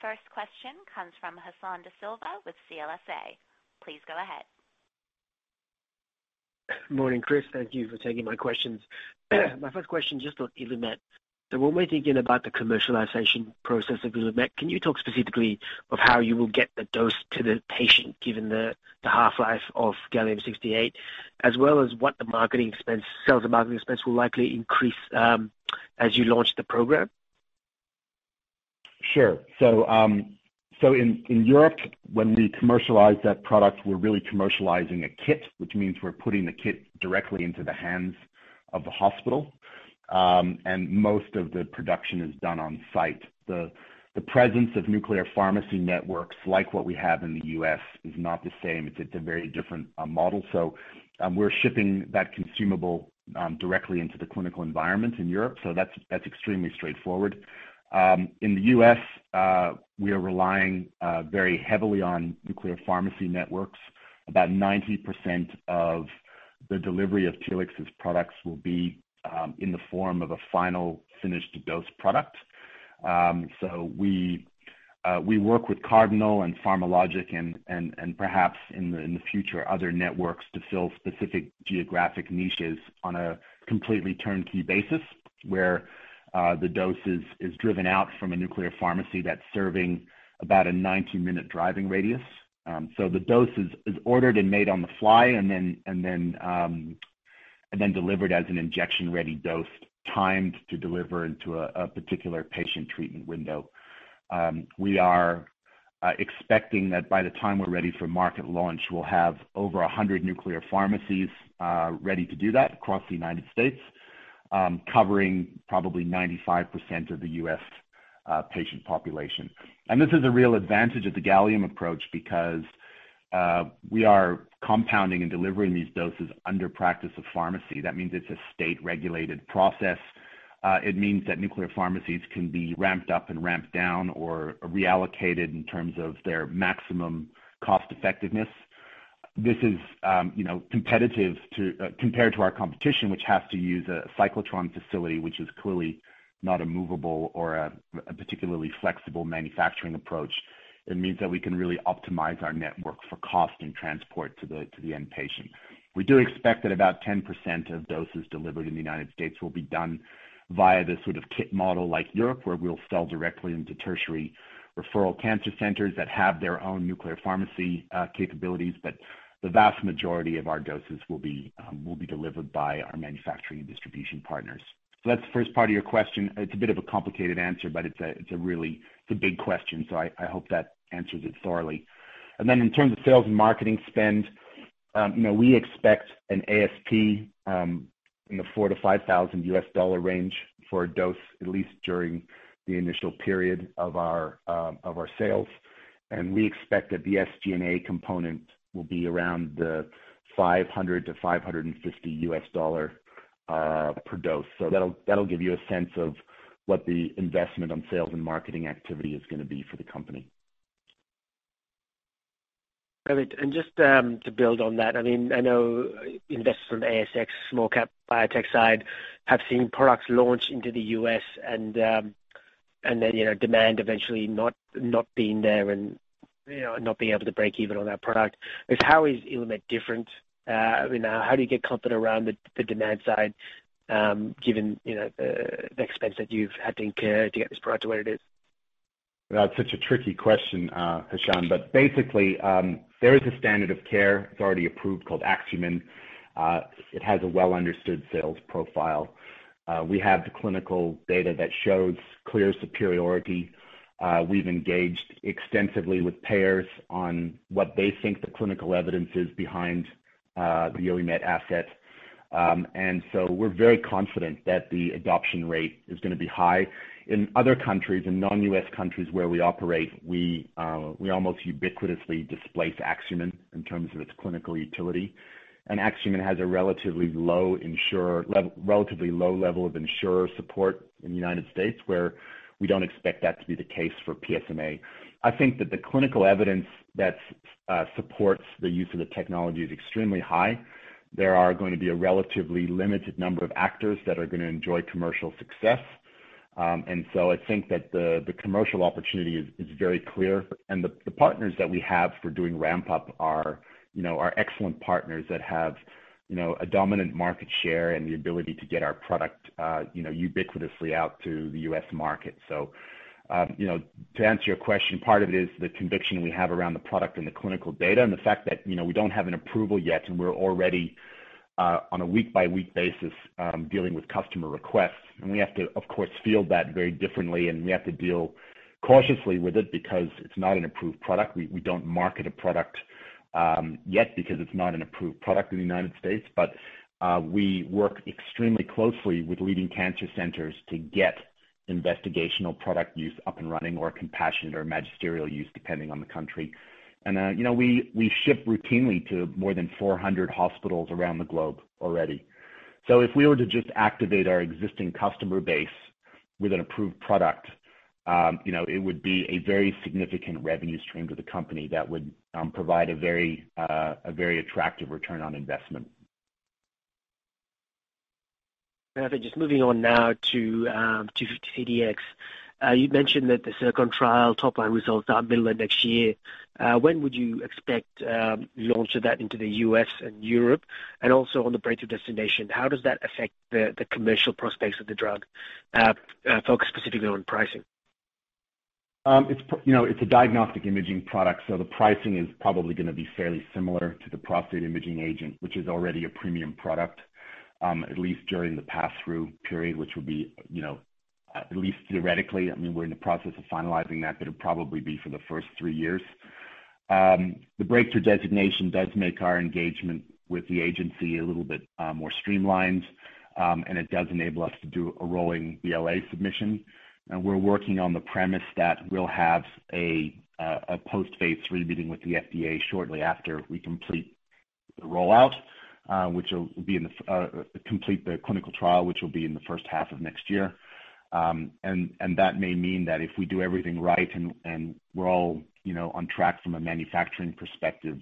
first question comes from Hashan De Silva with CLSA. Please go ahead. Morning, Chris. Thank you for taking my questions. My first question, just on Illuccix. When we're thinking about the commercialization process of Illuccix, can you talk specifically of how you will get the dose to the patient given the half-life of gallium-68, as well as what the sales and marketing expense will likely increase as you launch the program? In Europe, when we commercialize that product, we're really commercializing a kit, which means we're putting the kit directly into the hands of the hospital. Most of the production is done on-site. The presence of nuclear pharmacy networks like what we have in the U.S. is not the same. It's a very different model. We're shipping that consumable directly into the clinical environment in Europe, that's extremely straightforward. In the U.S., we are relying very heavily on nuclear pharmacy networks. About 90% of the delivery of Telix's products will be in the form of a final finished dose product. We work with Cardinal and PharmaLogic and perhaps in the future, other networks to fill specific geographic niches on a completely turnkey basis, where the dose is driven out from a nuclear pharmacy that's serving about a 90-minute driving radius. The dose is ordered and made on the fly, and then delivered as an injection-ready dose, timed to deliver into a particular patient treatment window. We are expecting that by the time we're ready for market launch, we'll have over 100 nuclear pharmacies ready to do that across the U.S., covering probably 95% of the U.S. patient population. This is a real advantage of the gallium approach because we are compounding and delivering these doses under practice of pharmacy. That means it's a state-regulated process. It means that nuclear pharmacies can be ramped up and ramped down or reallocated in terms of their maximum cost-effectiveness. This is compared to our competition, which has to use a cyclotron facility, which is clearly not a movable or a particularly flexible manufacturing approach. It means that we can really optimize our network for cost and transport to the end patient. We do expect that about 10% of doses delivered in the U.S. will be done via this sort of kit model like Europe, where we'll sell directly into tertiary referral cancer centers that have their own nuclear pharmacy capabilities. The vast majority of our doses will be delivered by our manufacturing and distribution partners. That's the first part of your question. It's a bit of a complicated answer, but it's a big question, so I hope that answers it thoroughly. In terms of sales and marketing spend, we expect an ASP in the $4,000-$5,000 range for a dose, at least during the initial period of our sales. We expect that the SG&A component will be around the $500-$550 per dose. That'll give you a sense of what the investment on sales and marketing activity is going to be for the company. Great. Just to build on that, I know investors from the ASX small cap biotech side have seen products launch into the U.S. and then demand eventually not being there and not being able to break even on that product. How is Illuccix different? How do you get confident around the demand side, given the expense that you've had to incur to get this product to where it is? That's such a tricky question, Hashan. Basically, there is a standard of care. It's already approved, called Axumin. It has a well-understood sales profile. We have the clinical data that shows clear superiority. We've engaged extensively with payers on what they think the clinical evidence is behind the Illuccix asset. We're very confident that the adoption rate is going to be high. In other countries, in non-U.S. countries where we operate, we almost ubiquitously displace Axumin in terms of its clinical utility. Axumin has a relatively low level of insurer support in the United States, where we don't expect that to be the case for PSMA. I think that the clinical evidence that supports the use of the technology is extremely high. There are going to be a relatively limited number of actors that are going to enjoy commercial success. I think that the commercial opportunity is very clear, and the partners that we have for doing ramp-up are excellent partners that have a dominant market share and the ability to get our product ubiquitously out to the U.S. market. To answer your question, part of it is the conviction we have around the product and the clinical data, and the fact that we don't have an approval yet, and we're already on a week-by-week basis dealing with customer requests. We have to, of course, field that very differently, and we have to deal cautiously with it because it's not an approved product. We don't market a product yet because it's not an approved product in the United States. We work extremely closely with leading cancer centers to get investigational product use up and running or compassionate or magistral use, depending on the country. We ship routinely to more than 400 hospitals around the globe already. If we were to just activate our existing customer base with an approved product, it would be a very significant revenue stream to the company that would provide a very attractive return on investment. Perfect. Just moving on now to TLX250-CDx. You mentioned that the ZIRCON trial top-line results are out middle of next year. When would you expect launch of that into the U.S. and Europe? Also on the breakthrough designation, how does that affect the commercial prospects of the drug, focused specifically on pricing? It's a diagnostic imaging product, so the pricing is probably going to be fairly similar to the prostate imaging agent, which is already a premium product, at least during the passthrough period, which will be at least theoretically, we're in the process of finalizing that, but it'll probably be for the first three years. The breakthrough designation does make our engagement with the agency a little bit more streamlined, and it does enable us to do a rolling BLA submission. We're working on the premise that we'll have a post phase III meeting with the FDA shortly after we complete the rollout, complete the clinical trial, which will be in the first half of next year. That may mean that if we do everything right and we're all on track from a manufacturing perspective,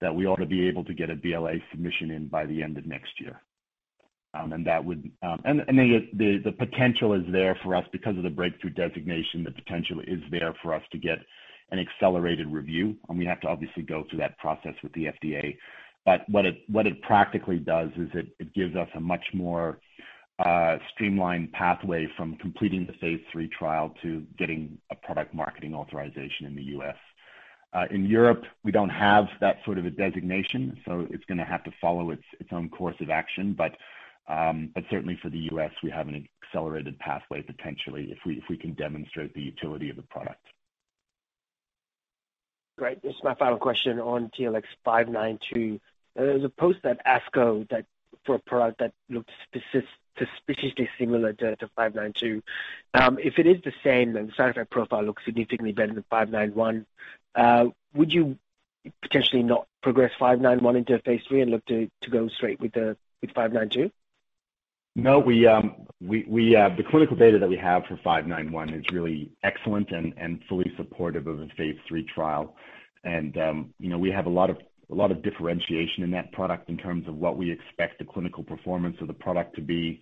that we ought to be able to get a BLA submission in by the end of next year. The potential is there for us because of the breakthrough designation, the potential is there for us to get an accelerated review, and we have to obviously go through that process with the FDA. What it practically does is it gives us a much more streamlined pathway from completing the phase III trial to getting a product marketing authorization in the U.S. In Europe, we don't have that sort of a designation, so it's going to have to follow its own course of action. Certainly for the U.S., we have an accelerated pathway, potentially, if we can demonstrate the utility of the product. Great. This is my final question on TLX592. There was a post at ASCO for a product that looks suspiciously similar to 592. If it is the same, the side effect profile looks significantly better than the 591. Would you potentially not progress 591 into phase III and look to go straight with 592? No. The clinical data that we have for 591 is really excellent and fully supportive of a phase III trial. We have a lot of differentiation in that product in terms of what we expect the clinical performance of the product to be,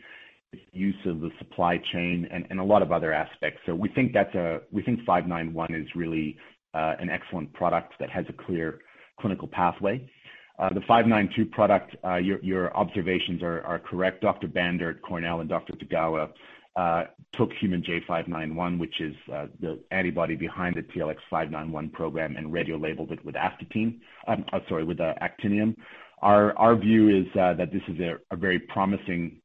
use of the supply chain, and a lot of other aspects. We think 591 is really an excellent product that has a clear clinical pathway. The 592 product, your observations are correct. Dr. Bander, Cornell, and Dr. Tagawa took human J591, which is the antibody behind the TLX591 program, and radiolabeled it with actinium. Our view is that this is a very promising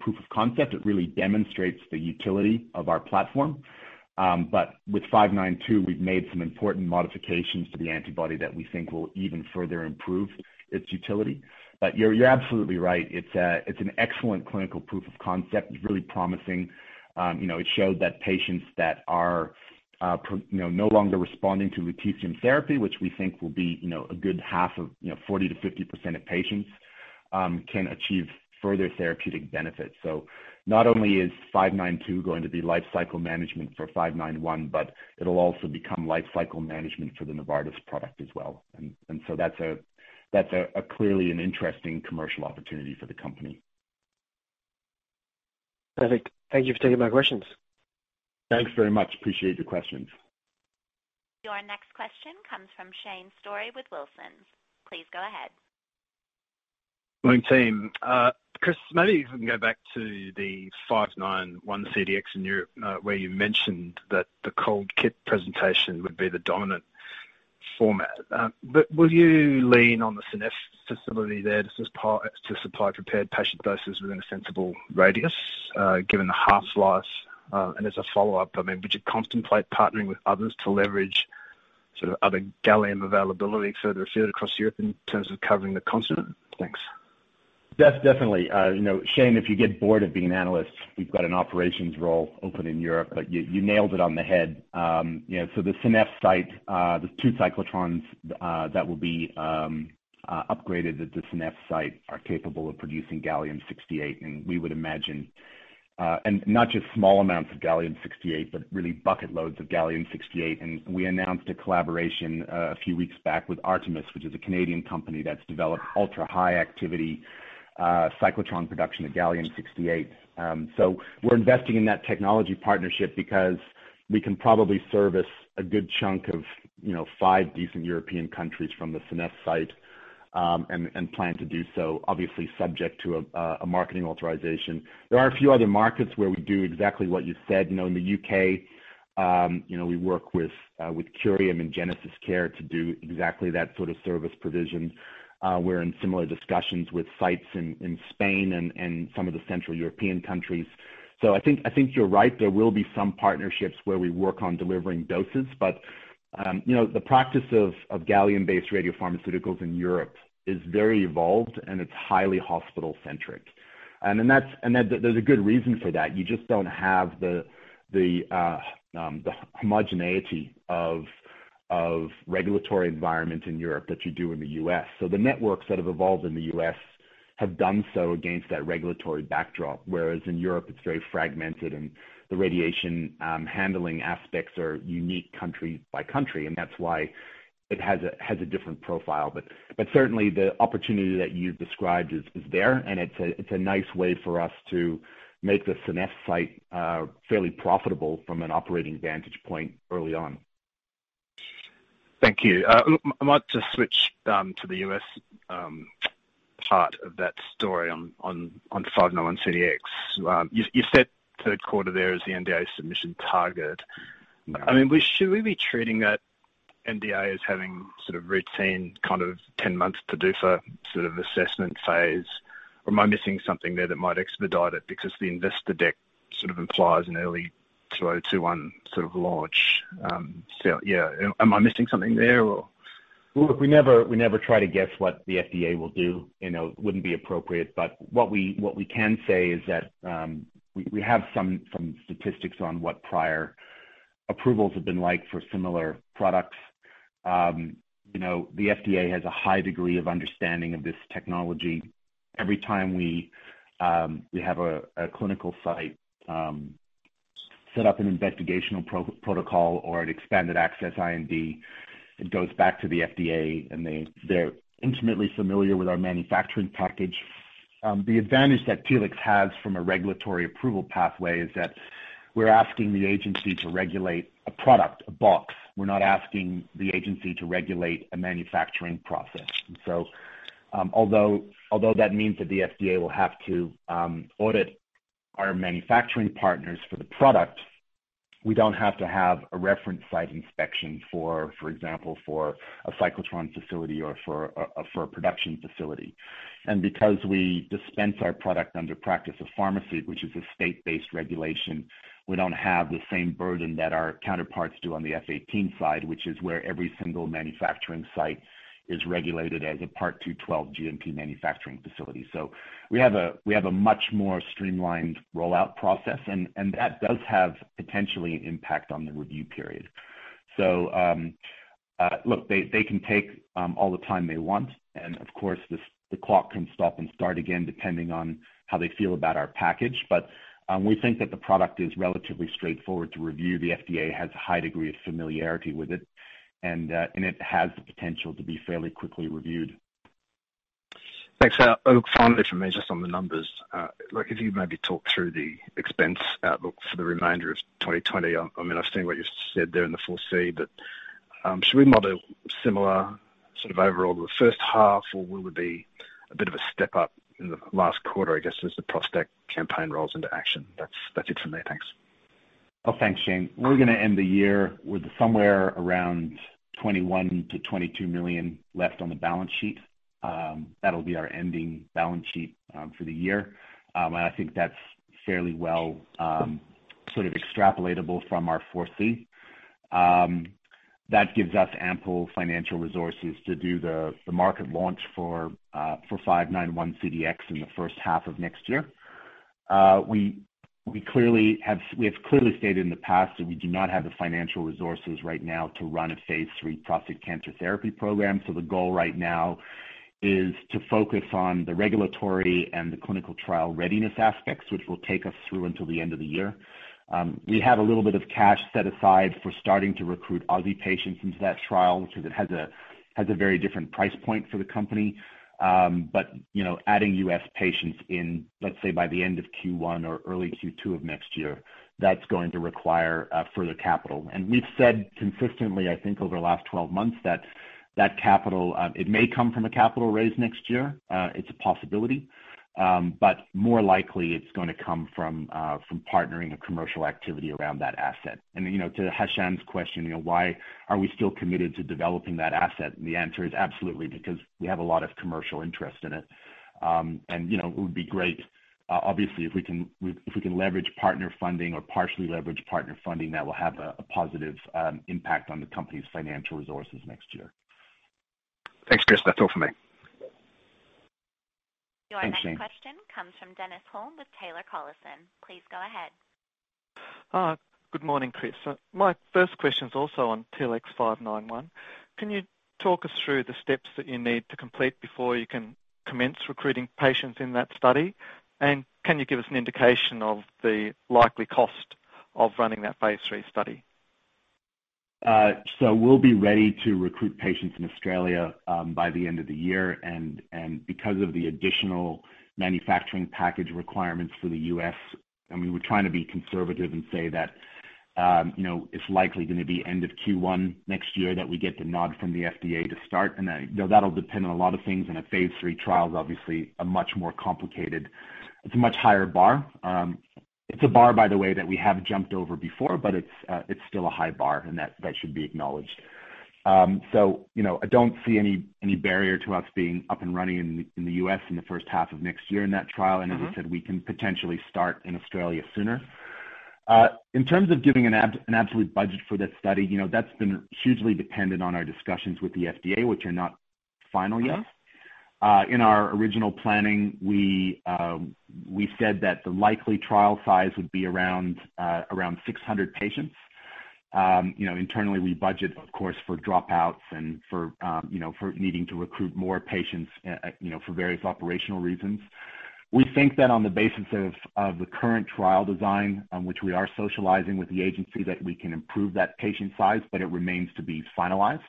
proof of concept. It really demonstrates the utility of our platform. With 592, we've made some important modifications to the antibody that we think will even further improve its utility. You're absolutely right. It's an excellent clinical proof of concept. It's really promising. It showed that patients that are no longer responding to lutetium therapy, which we think will be a good 40%-50% of patients, can achieve further therapeutic benefit. Not only is 592 going to be life cycle management for 591, but it'll also become life cycle management for the Novartis product as well. That's clearly an interesting commercial opportunity for the company. Perfect. Thank you for taking my questions. Thanks very much. Appreciate your questions. Your next question comes from Shane Storey with Wilsons. Please go ahead. Morning team. Chris, maybe if we can go back to the TLX591-CDx in Europe, where you mentioned that the cold kit presentation would be the dominant format. Will you lean on the SHINE facility there to supply prepared patient doses within a sensible radius, given the half-life? As a follow-up, would you contemplate partnering with others to leverage other gallium availability further afield across Europe in terms of covering the continent? Thanks. Definitely. Shane, if you get bored of being an analyst, we've got an operations role open in Europe, but you nailed it on the head. The SHINE site, there's two cyclotrons that will be upgraded at the SHINE site are capable of producing gallium-68, and we would imagine, not just small amounts of gallium-68, but really bucket loads of gallium-68. We announced a collaboration a few weeks back with ARTMS, which is a Canadian company that's developed ultra-high activity cyclotron production of gallium-68. We're investing in that technology partnership because we can probably service a good chunk of five decent European countries from the SHINE site, and plan to do so, obviously subject to a marketing authorization. There are a few other markets where we do exactly what you said. In the U.K., we work with Curium and GenesisCare to do exactly that sort of service provision. We're in similar discussions with sites in Spain and some of the Central European countries. I think you're right. There will be some partnerships where we work on delivering doses, the practice of gallium-based radiopharmaceuticals in Europe is very evolved, and it's highly hospital-centric. There's a good reason for that. You just don't have the homogeneity of regulatory environment in Europe that you do in the U.S. The networks that have evolved in the U.S. have done so against that regulatory backdrop, whereas in Europe it's very fragmented and the radiation handling aspects are unique country by country, and that's why it has a different profile. Certainly the opportunity that you've described is there, and it's a nice way for us to make the SHINE site fairly profitable from an operating vantage point early on. Thank you. I might just switch to the U.S. part of that story on TLX591-CDx. You've set third quarter there as the NDA submission target. Right. Should we be treating that NDA as having sort of routine, kind of 10 months PDUFA sort of assessment phase, or am I missing something there that might expedite it? The investor deck sort of implies an early 2021 sort of launch. Am I missing something there? Look, we never try to guess what the FDA will do. It wouldn't be appropriate, but what we can say is that we have some statistics on what prior approvals have been like for similar products. The FDA has a high degree of understanding of this technology. Every time we have a clinical site set up an investigational protocol or an expanded access IND, it goes back to the FDA, and they're intimately familiar with our manufacturing package. The advantage that Telix has from a regulatory approval pathway is that we're asking the agency to regulate a product, a box. We're not asking the agency to regulate a manufacturing process. Although that means that the FDA will have to audit our manufacturing partners for the product, we don't have to have a reference site inspection, for example, for a cyclotron facility or for a production facility. Because we dispense our product under practice of pharmacy, which is a state-based regulation, we don't have the same burden that our counterparts do on the F18 side, which is where every single manufacturing site is regulated as a Part 212 GMP manufacturing facility. We have a much more streamlined rollout process, and that does have potentially an impact on the review period. Look, they can take all the time they want, and of course, the clock can stop and start again depending on how they feel about our package. We think that the product is relatively straightforward to review. The FDA has a high degree of familiarity with it, and it has the potential to be fairly quickly reviewed. Thanks. Finally, from me, just on the numbers. If you maybe talk through the expense outlook for the remainder of 2020. I've seen what you said there in the 4C, should we model similar sort of overall to the first half? Will it be a bit of a step-up in the last quarter, I guess, as the ProstACT campaign rolls into action? That's it from me. Thanks. Thanks, Shane. We're going to end the year with somewhere around 21 million to 22 million left on the balance sheet. That'll be our ending balance sheet for the year. I think that's fairly well extrapolatable from our 4C. That gives us ample financial resources to do the market launch for 591-CDx in the first half of next year. We have clearly stated in the past that we do not have the financial resources right now to run a phase III prostate cancer therapy program. The goal right now is to focus on the regulatory and the clinical trial readiness aspects, which will take us through until the end of the year. We have a little bit of cash set aside for starting to recruit Aussie patients into that trial, which of course, it has a very different price point for the company. Adding U.S. patients in, let's say, by the end of Q1 or early Q2 of next year, that's going to require further capital. We've said consistently, I think, over the last 12 months that capital, it may come from a capital raise next year. It's a possibility. More likely it's going to come from partnering a commercial activity around that asset. To Hashan's question, why are we still committed to developing that asset? The answer is absolutely because we have a lot of commercial interest in it. It would be great, obviously, if we can leverage partner funding or partially leverage partner funding that will have a positive impact on the company's financial resources next year. Thanks, Chris. That's all for me. Thanks, Shane. Your next question comes from Dennis Hulme with Taylor Collison. Please go ahead. Good morning, Chris. My first question is also on TLX591. Can you talk us through the steps that you need to complete before you can commence recruiting patients in that study? Can you give us an indication of the likely cost of running that phase III study? We'll be ready to recruit patients in Australia by the end of the year. Because of the additional manufacturing package requirements for the U.S., and we were trying to be conservative and say that it's likely going to be end of Q1 next year that we get the nod from the FDA to start, and that'll depend on a lot of things, and a phase III trial is obviously a much more complicated. It's a much higher bar. It's a bar, by the way, that we have jumped over before, but it's still a high bar, and that should be acknowledged. I don't see any barrier to us being up and running in the U.S. in the first half of next year in that trial. As I said, we can potentially start in Australia sooner. In terms of giving an absolute budget for that study, that's been hugely dependent on our discussions with the FDA, which are not final yet. In our original planning, we said that the likely trial size would be around 600 patients. Internally, we budget, of course, for dropouts and for needing to recruit more patients for various operational reasons. We think that on the basis of the current trial design, which we are socializing with the agency, that we can improve that patient size, but it remains to be finalized.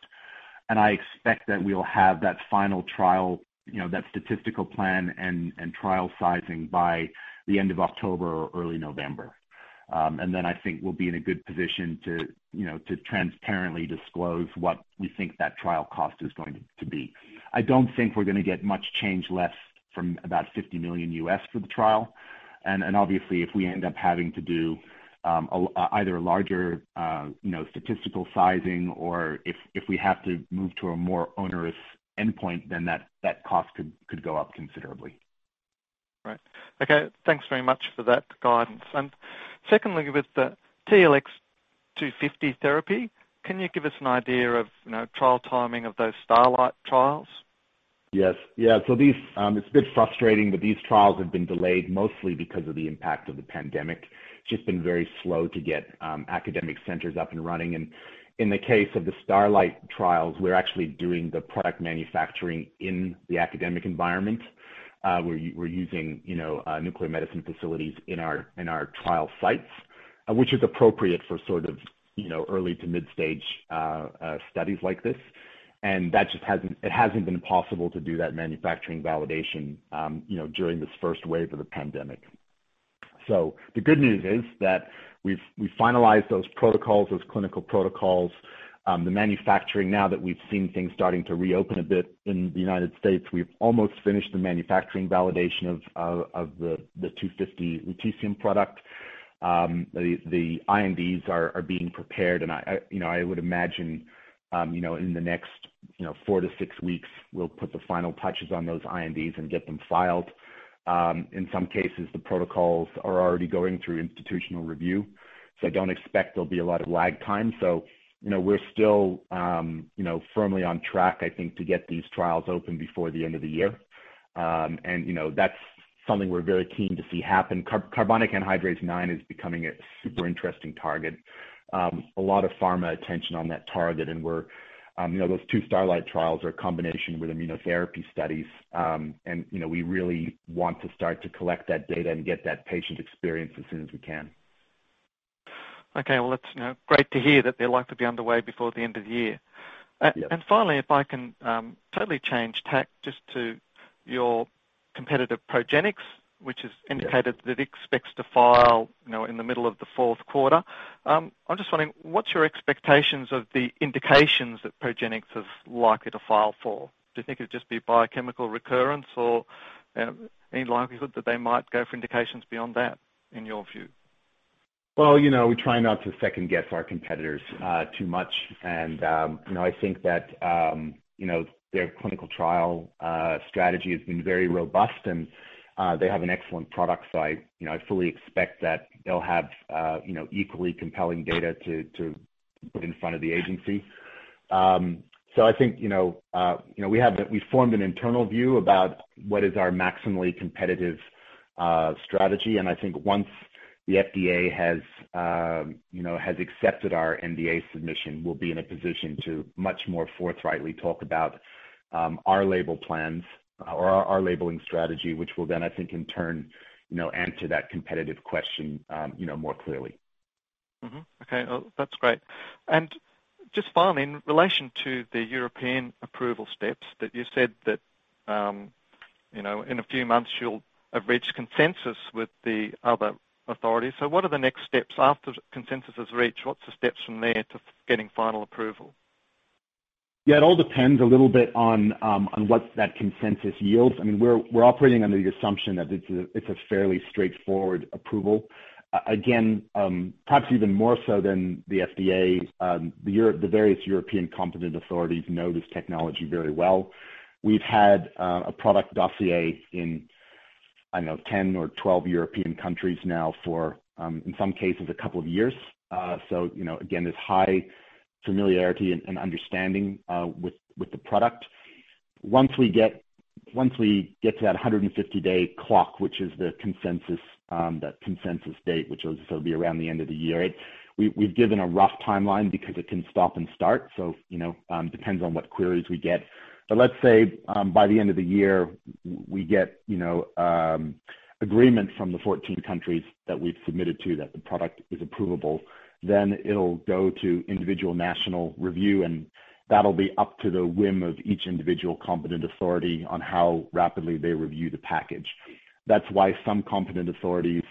I expect that we'll have that final trial, that statistical plan and trial sizing by the end of October or early November. I think we'll be in a good position to transparently disclose what we think that trial cost is going to be. I don't think we're going to get much change less from about 50 million for the trial. Obviously, if we end up having to do either a larger statistical sizing or if we have to move to a more onerous endpoint, that cost could go up considerably. Right. Okay. Thanks very much for that guidance. Secondly, with the TLX250 therapy, can you give us an idea of trial timing of those STARLITE trials? Yes. It's a bit frustrating, but these STARLITE trials have been delayed mostly because of the impact of the pandemic. It's just been very slow to get academic centers up and running. In the case of the STARLITE trials, we're actually doing the product manufacturing in the academic environment. We're using nuclear medicine facilities in our trial sites, which is appropriate for sort of early to mid-stage studies like this. It hasn't been possible to do that manufacturing validation during this first wave of the pandemic. The good news is that we've finalized those protocols, those clinical protocols. The manufacturing, now that we've seen things starting to reopen a bit in the U.S., we've almost finished the manufacturing validation of the 250 lutetium product. I would imagine in the next four to six weeks, we'll put the final touches on those INDs and get them filed. In some cases, the protocols are already going through institutional review, I don't expect there'll be a lot of lag time. We're still firmly on track, I think, to get these trials open before the end of the year. That's something we're very keen to see happen. Carbonic anhydrase IX is becoming a super interesting target. A lot of pharma attention on that target and those two STARLITE trials are a combination with immunotherapy studies. We really want to start to collect that data and get that patient experience as soon as we can. Okay. Well, that's great to hear that they're likely to be underway before the end of the year. Yeah. Finally, if I can totally change tack just to your competitive Progenics, which has indicated that it expects to file in the middle of the fourth quarter. I'm just wondering, what's your expectations of the indications that Progenics is likely to file for? Do you think it'll just be biochemical recurrence or any likelihood that they might go for indications beyond that, in your view? Well, we try not to second-guess our competitors too much. I think that their clinical trial strategy has been very robust and they have an excellent product. I fully expect that they'll have equally compelling data to put in front of the agency. I think we formed an internal view about what is our maximally competitive strategy, and I think once the FDA has accepted our NDA submission, we'll be in a position to much more forthrightly talk about our label plans or our labeling strategy, which will then, I think, in turn, answer that competitive question more clearly. Okay. Well, that's great. Just finally, in relation to the European approval steps that you said that in a few months you'll have reached consensus with the other authorities. What are the next steps after consensus is reached? What's the steps from there to getting final approval? It all depends a little bit on what that consensus yields. We're operating under the assumption that it's a fairly straightforward approval. Again, perhaps even more so than the FDA, the various European competent authorities know this technology very well. We've had a product dossier in, I don't know, 10 or 12 European countries now for, in some cases, a couple of years. Again, there's high familiarity and understanding with the product. Once we get to that 150-day clock, which is the consensus date, which will be around the end of the year, we've given a rough timeline because it can stop and start, so depends on what queries we get. Let's say by the end of the year, we get agreement from the 14 countries that we've submitted to that the product is approvable, then it'll go to individual national review, and that'll be up to the whim of each individual competent authority on how rapidly they review the package. That's why some competent authorities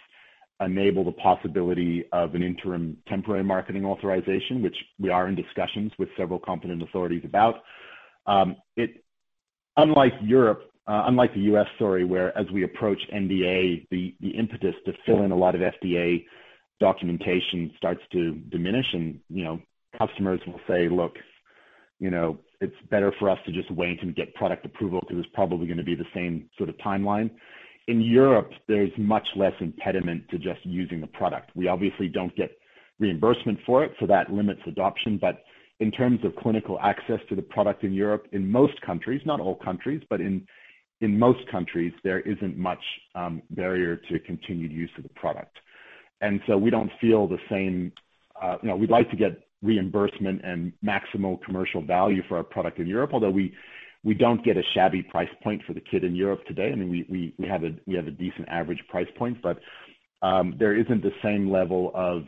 enable the possibility of an interim temporary marketing authorization, which we are in discussions with several competent authorities about. Unlike the U.S., where as we approach NDA, the impetus to fill in a lot of FDA documentation starts to diminish, and customers will say, "Look, it's better for us to just wait until we get product approval because it's probably going to be the same sort of timeline." In Europe, there's much less impediment to just using the product. We obviously don't get reimbursement for it, that limits adoption. In terms of clinical access to the product in Europe, in most countries, not all countries, but in most countries, there isn't much barrier to continued use of the product. We don't feel the same. We'd like to get reimbursement and maximal commercial value for our product in Europe, although we don't get a shabby price point for the kit in Europe today. We have a decent average price point. There isn't the same level of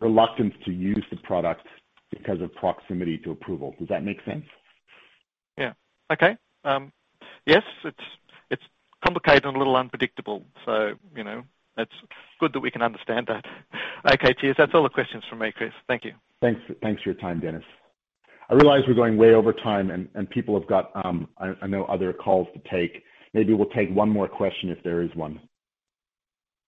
reluctance to use the product because of proximity to approval. Does that make sense? Yeah. Okay. Yes. It's complicated and a little unpredictable. That's good that we can understand that. Okay, cheers. That's all the questions from me, Chris. Thank you. Thanks for your time, Dennis. I realize we're going way over time, and people have got other calls to take. Maybe we'll take one more question if there is one.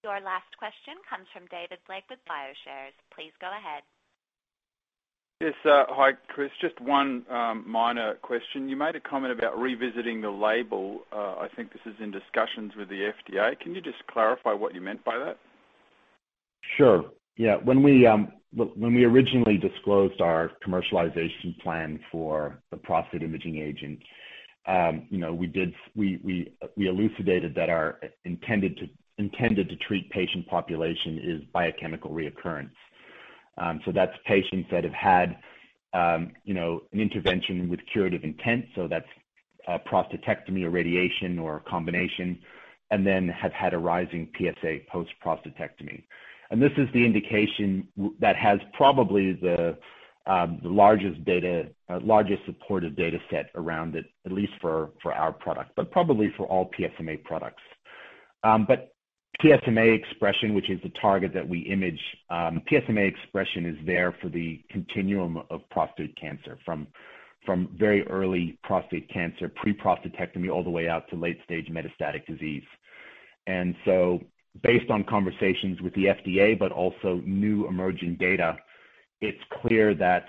Your last question comes from David Blake with BioShares. Please go ahead. Yes. Hi, Chris. Just one minor question. You made a comment about revisiting the label. I think this is in discussions with the FDA. Can you just clarify what you meant by that? Sure. When we originally disclosed our commercialization plan for the prostate imaging agent, we elucidated that our intended-to-treat patient population is biochemical recurrence. That's patients that have had an intervention with curative intent, that's a prostatectomy or radiation or a combination, and then have had a rising PSA post-prostatectomy. This is the indication that has probably the largest supportive data set around it, at least for our product, probably for all PSMA products. PSMA expression, which is the target that we image, PSMA expression is there for the continuum of prostate cancer, from very early prostate cancer, pre-prostatectomy, all the way out to late stage metastatic disease. Based on conversations with the FDA, but also new emerging data, it's clear that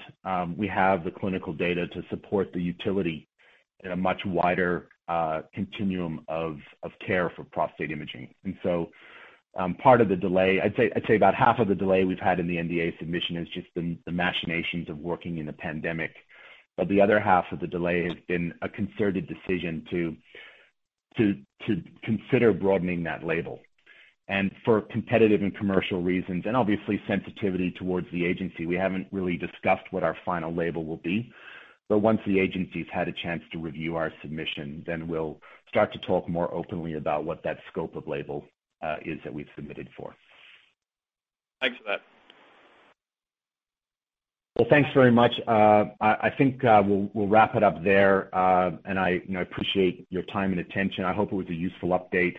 we have the clinical data to support the utility in a much wider continuum of care for prostate imaging. Part of the delay, I'd say about half of the delay we've had in the NDA submission is just the machinations of working in a pandemic. The other half of the delay has been a concerted decision to consider broadening that label. For competitive and commercial reasons, and obviously sensitivity towards the Agency, we haven't really discussed what our final label will be. Once the Agency's had a chance to review our submission, then we'll start to talk more openly about what that scope of label is that we've submitted for. Thanks for that. Well, thanks very much. I think we'll wrap it up there. I appreciate your time and attention. I hope it was a useful update,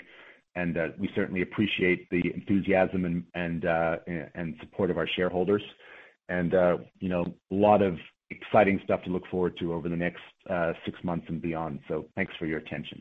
and we certainly appreciate the enthusiasm and support of our shareholders. A lot of exciting stuff to look forward to over the next six months and beyond. Thanks for your attention.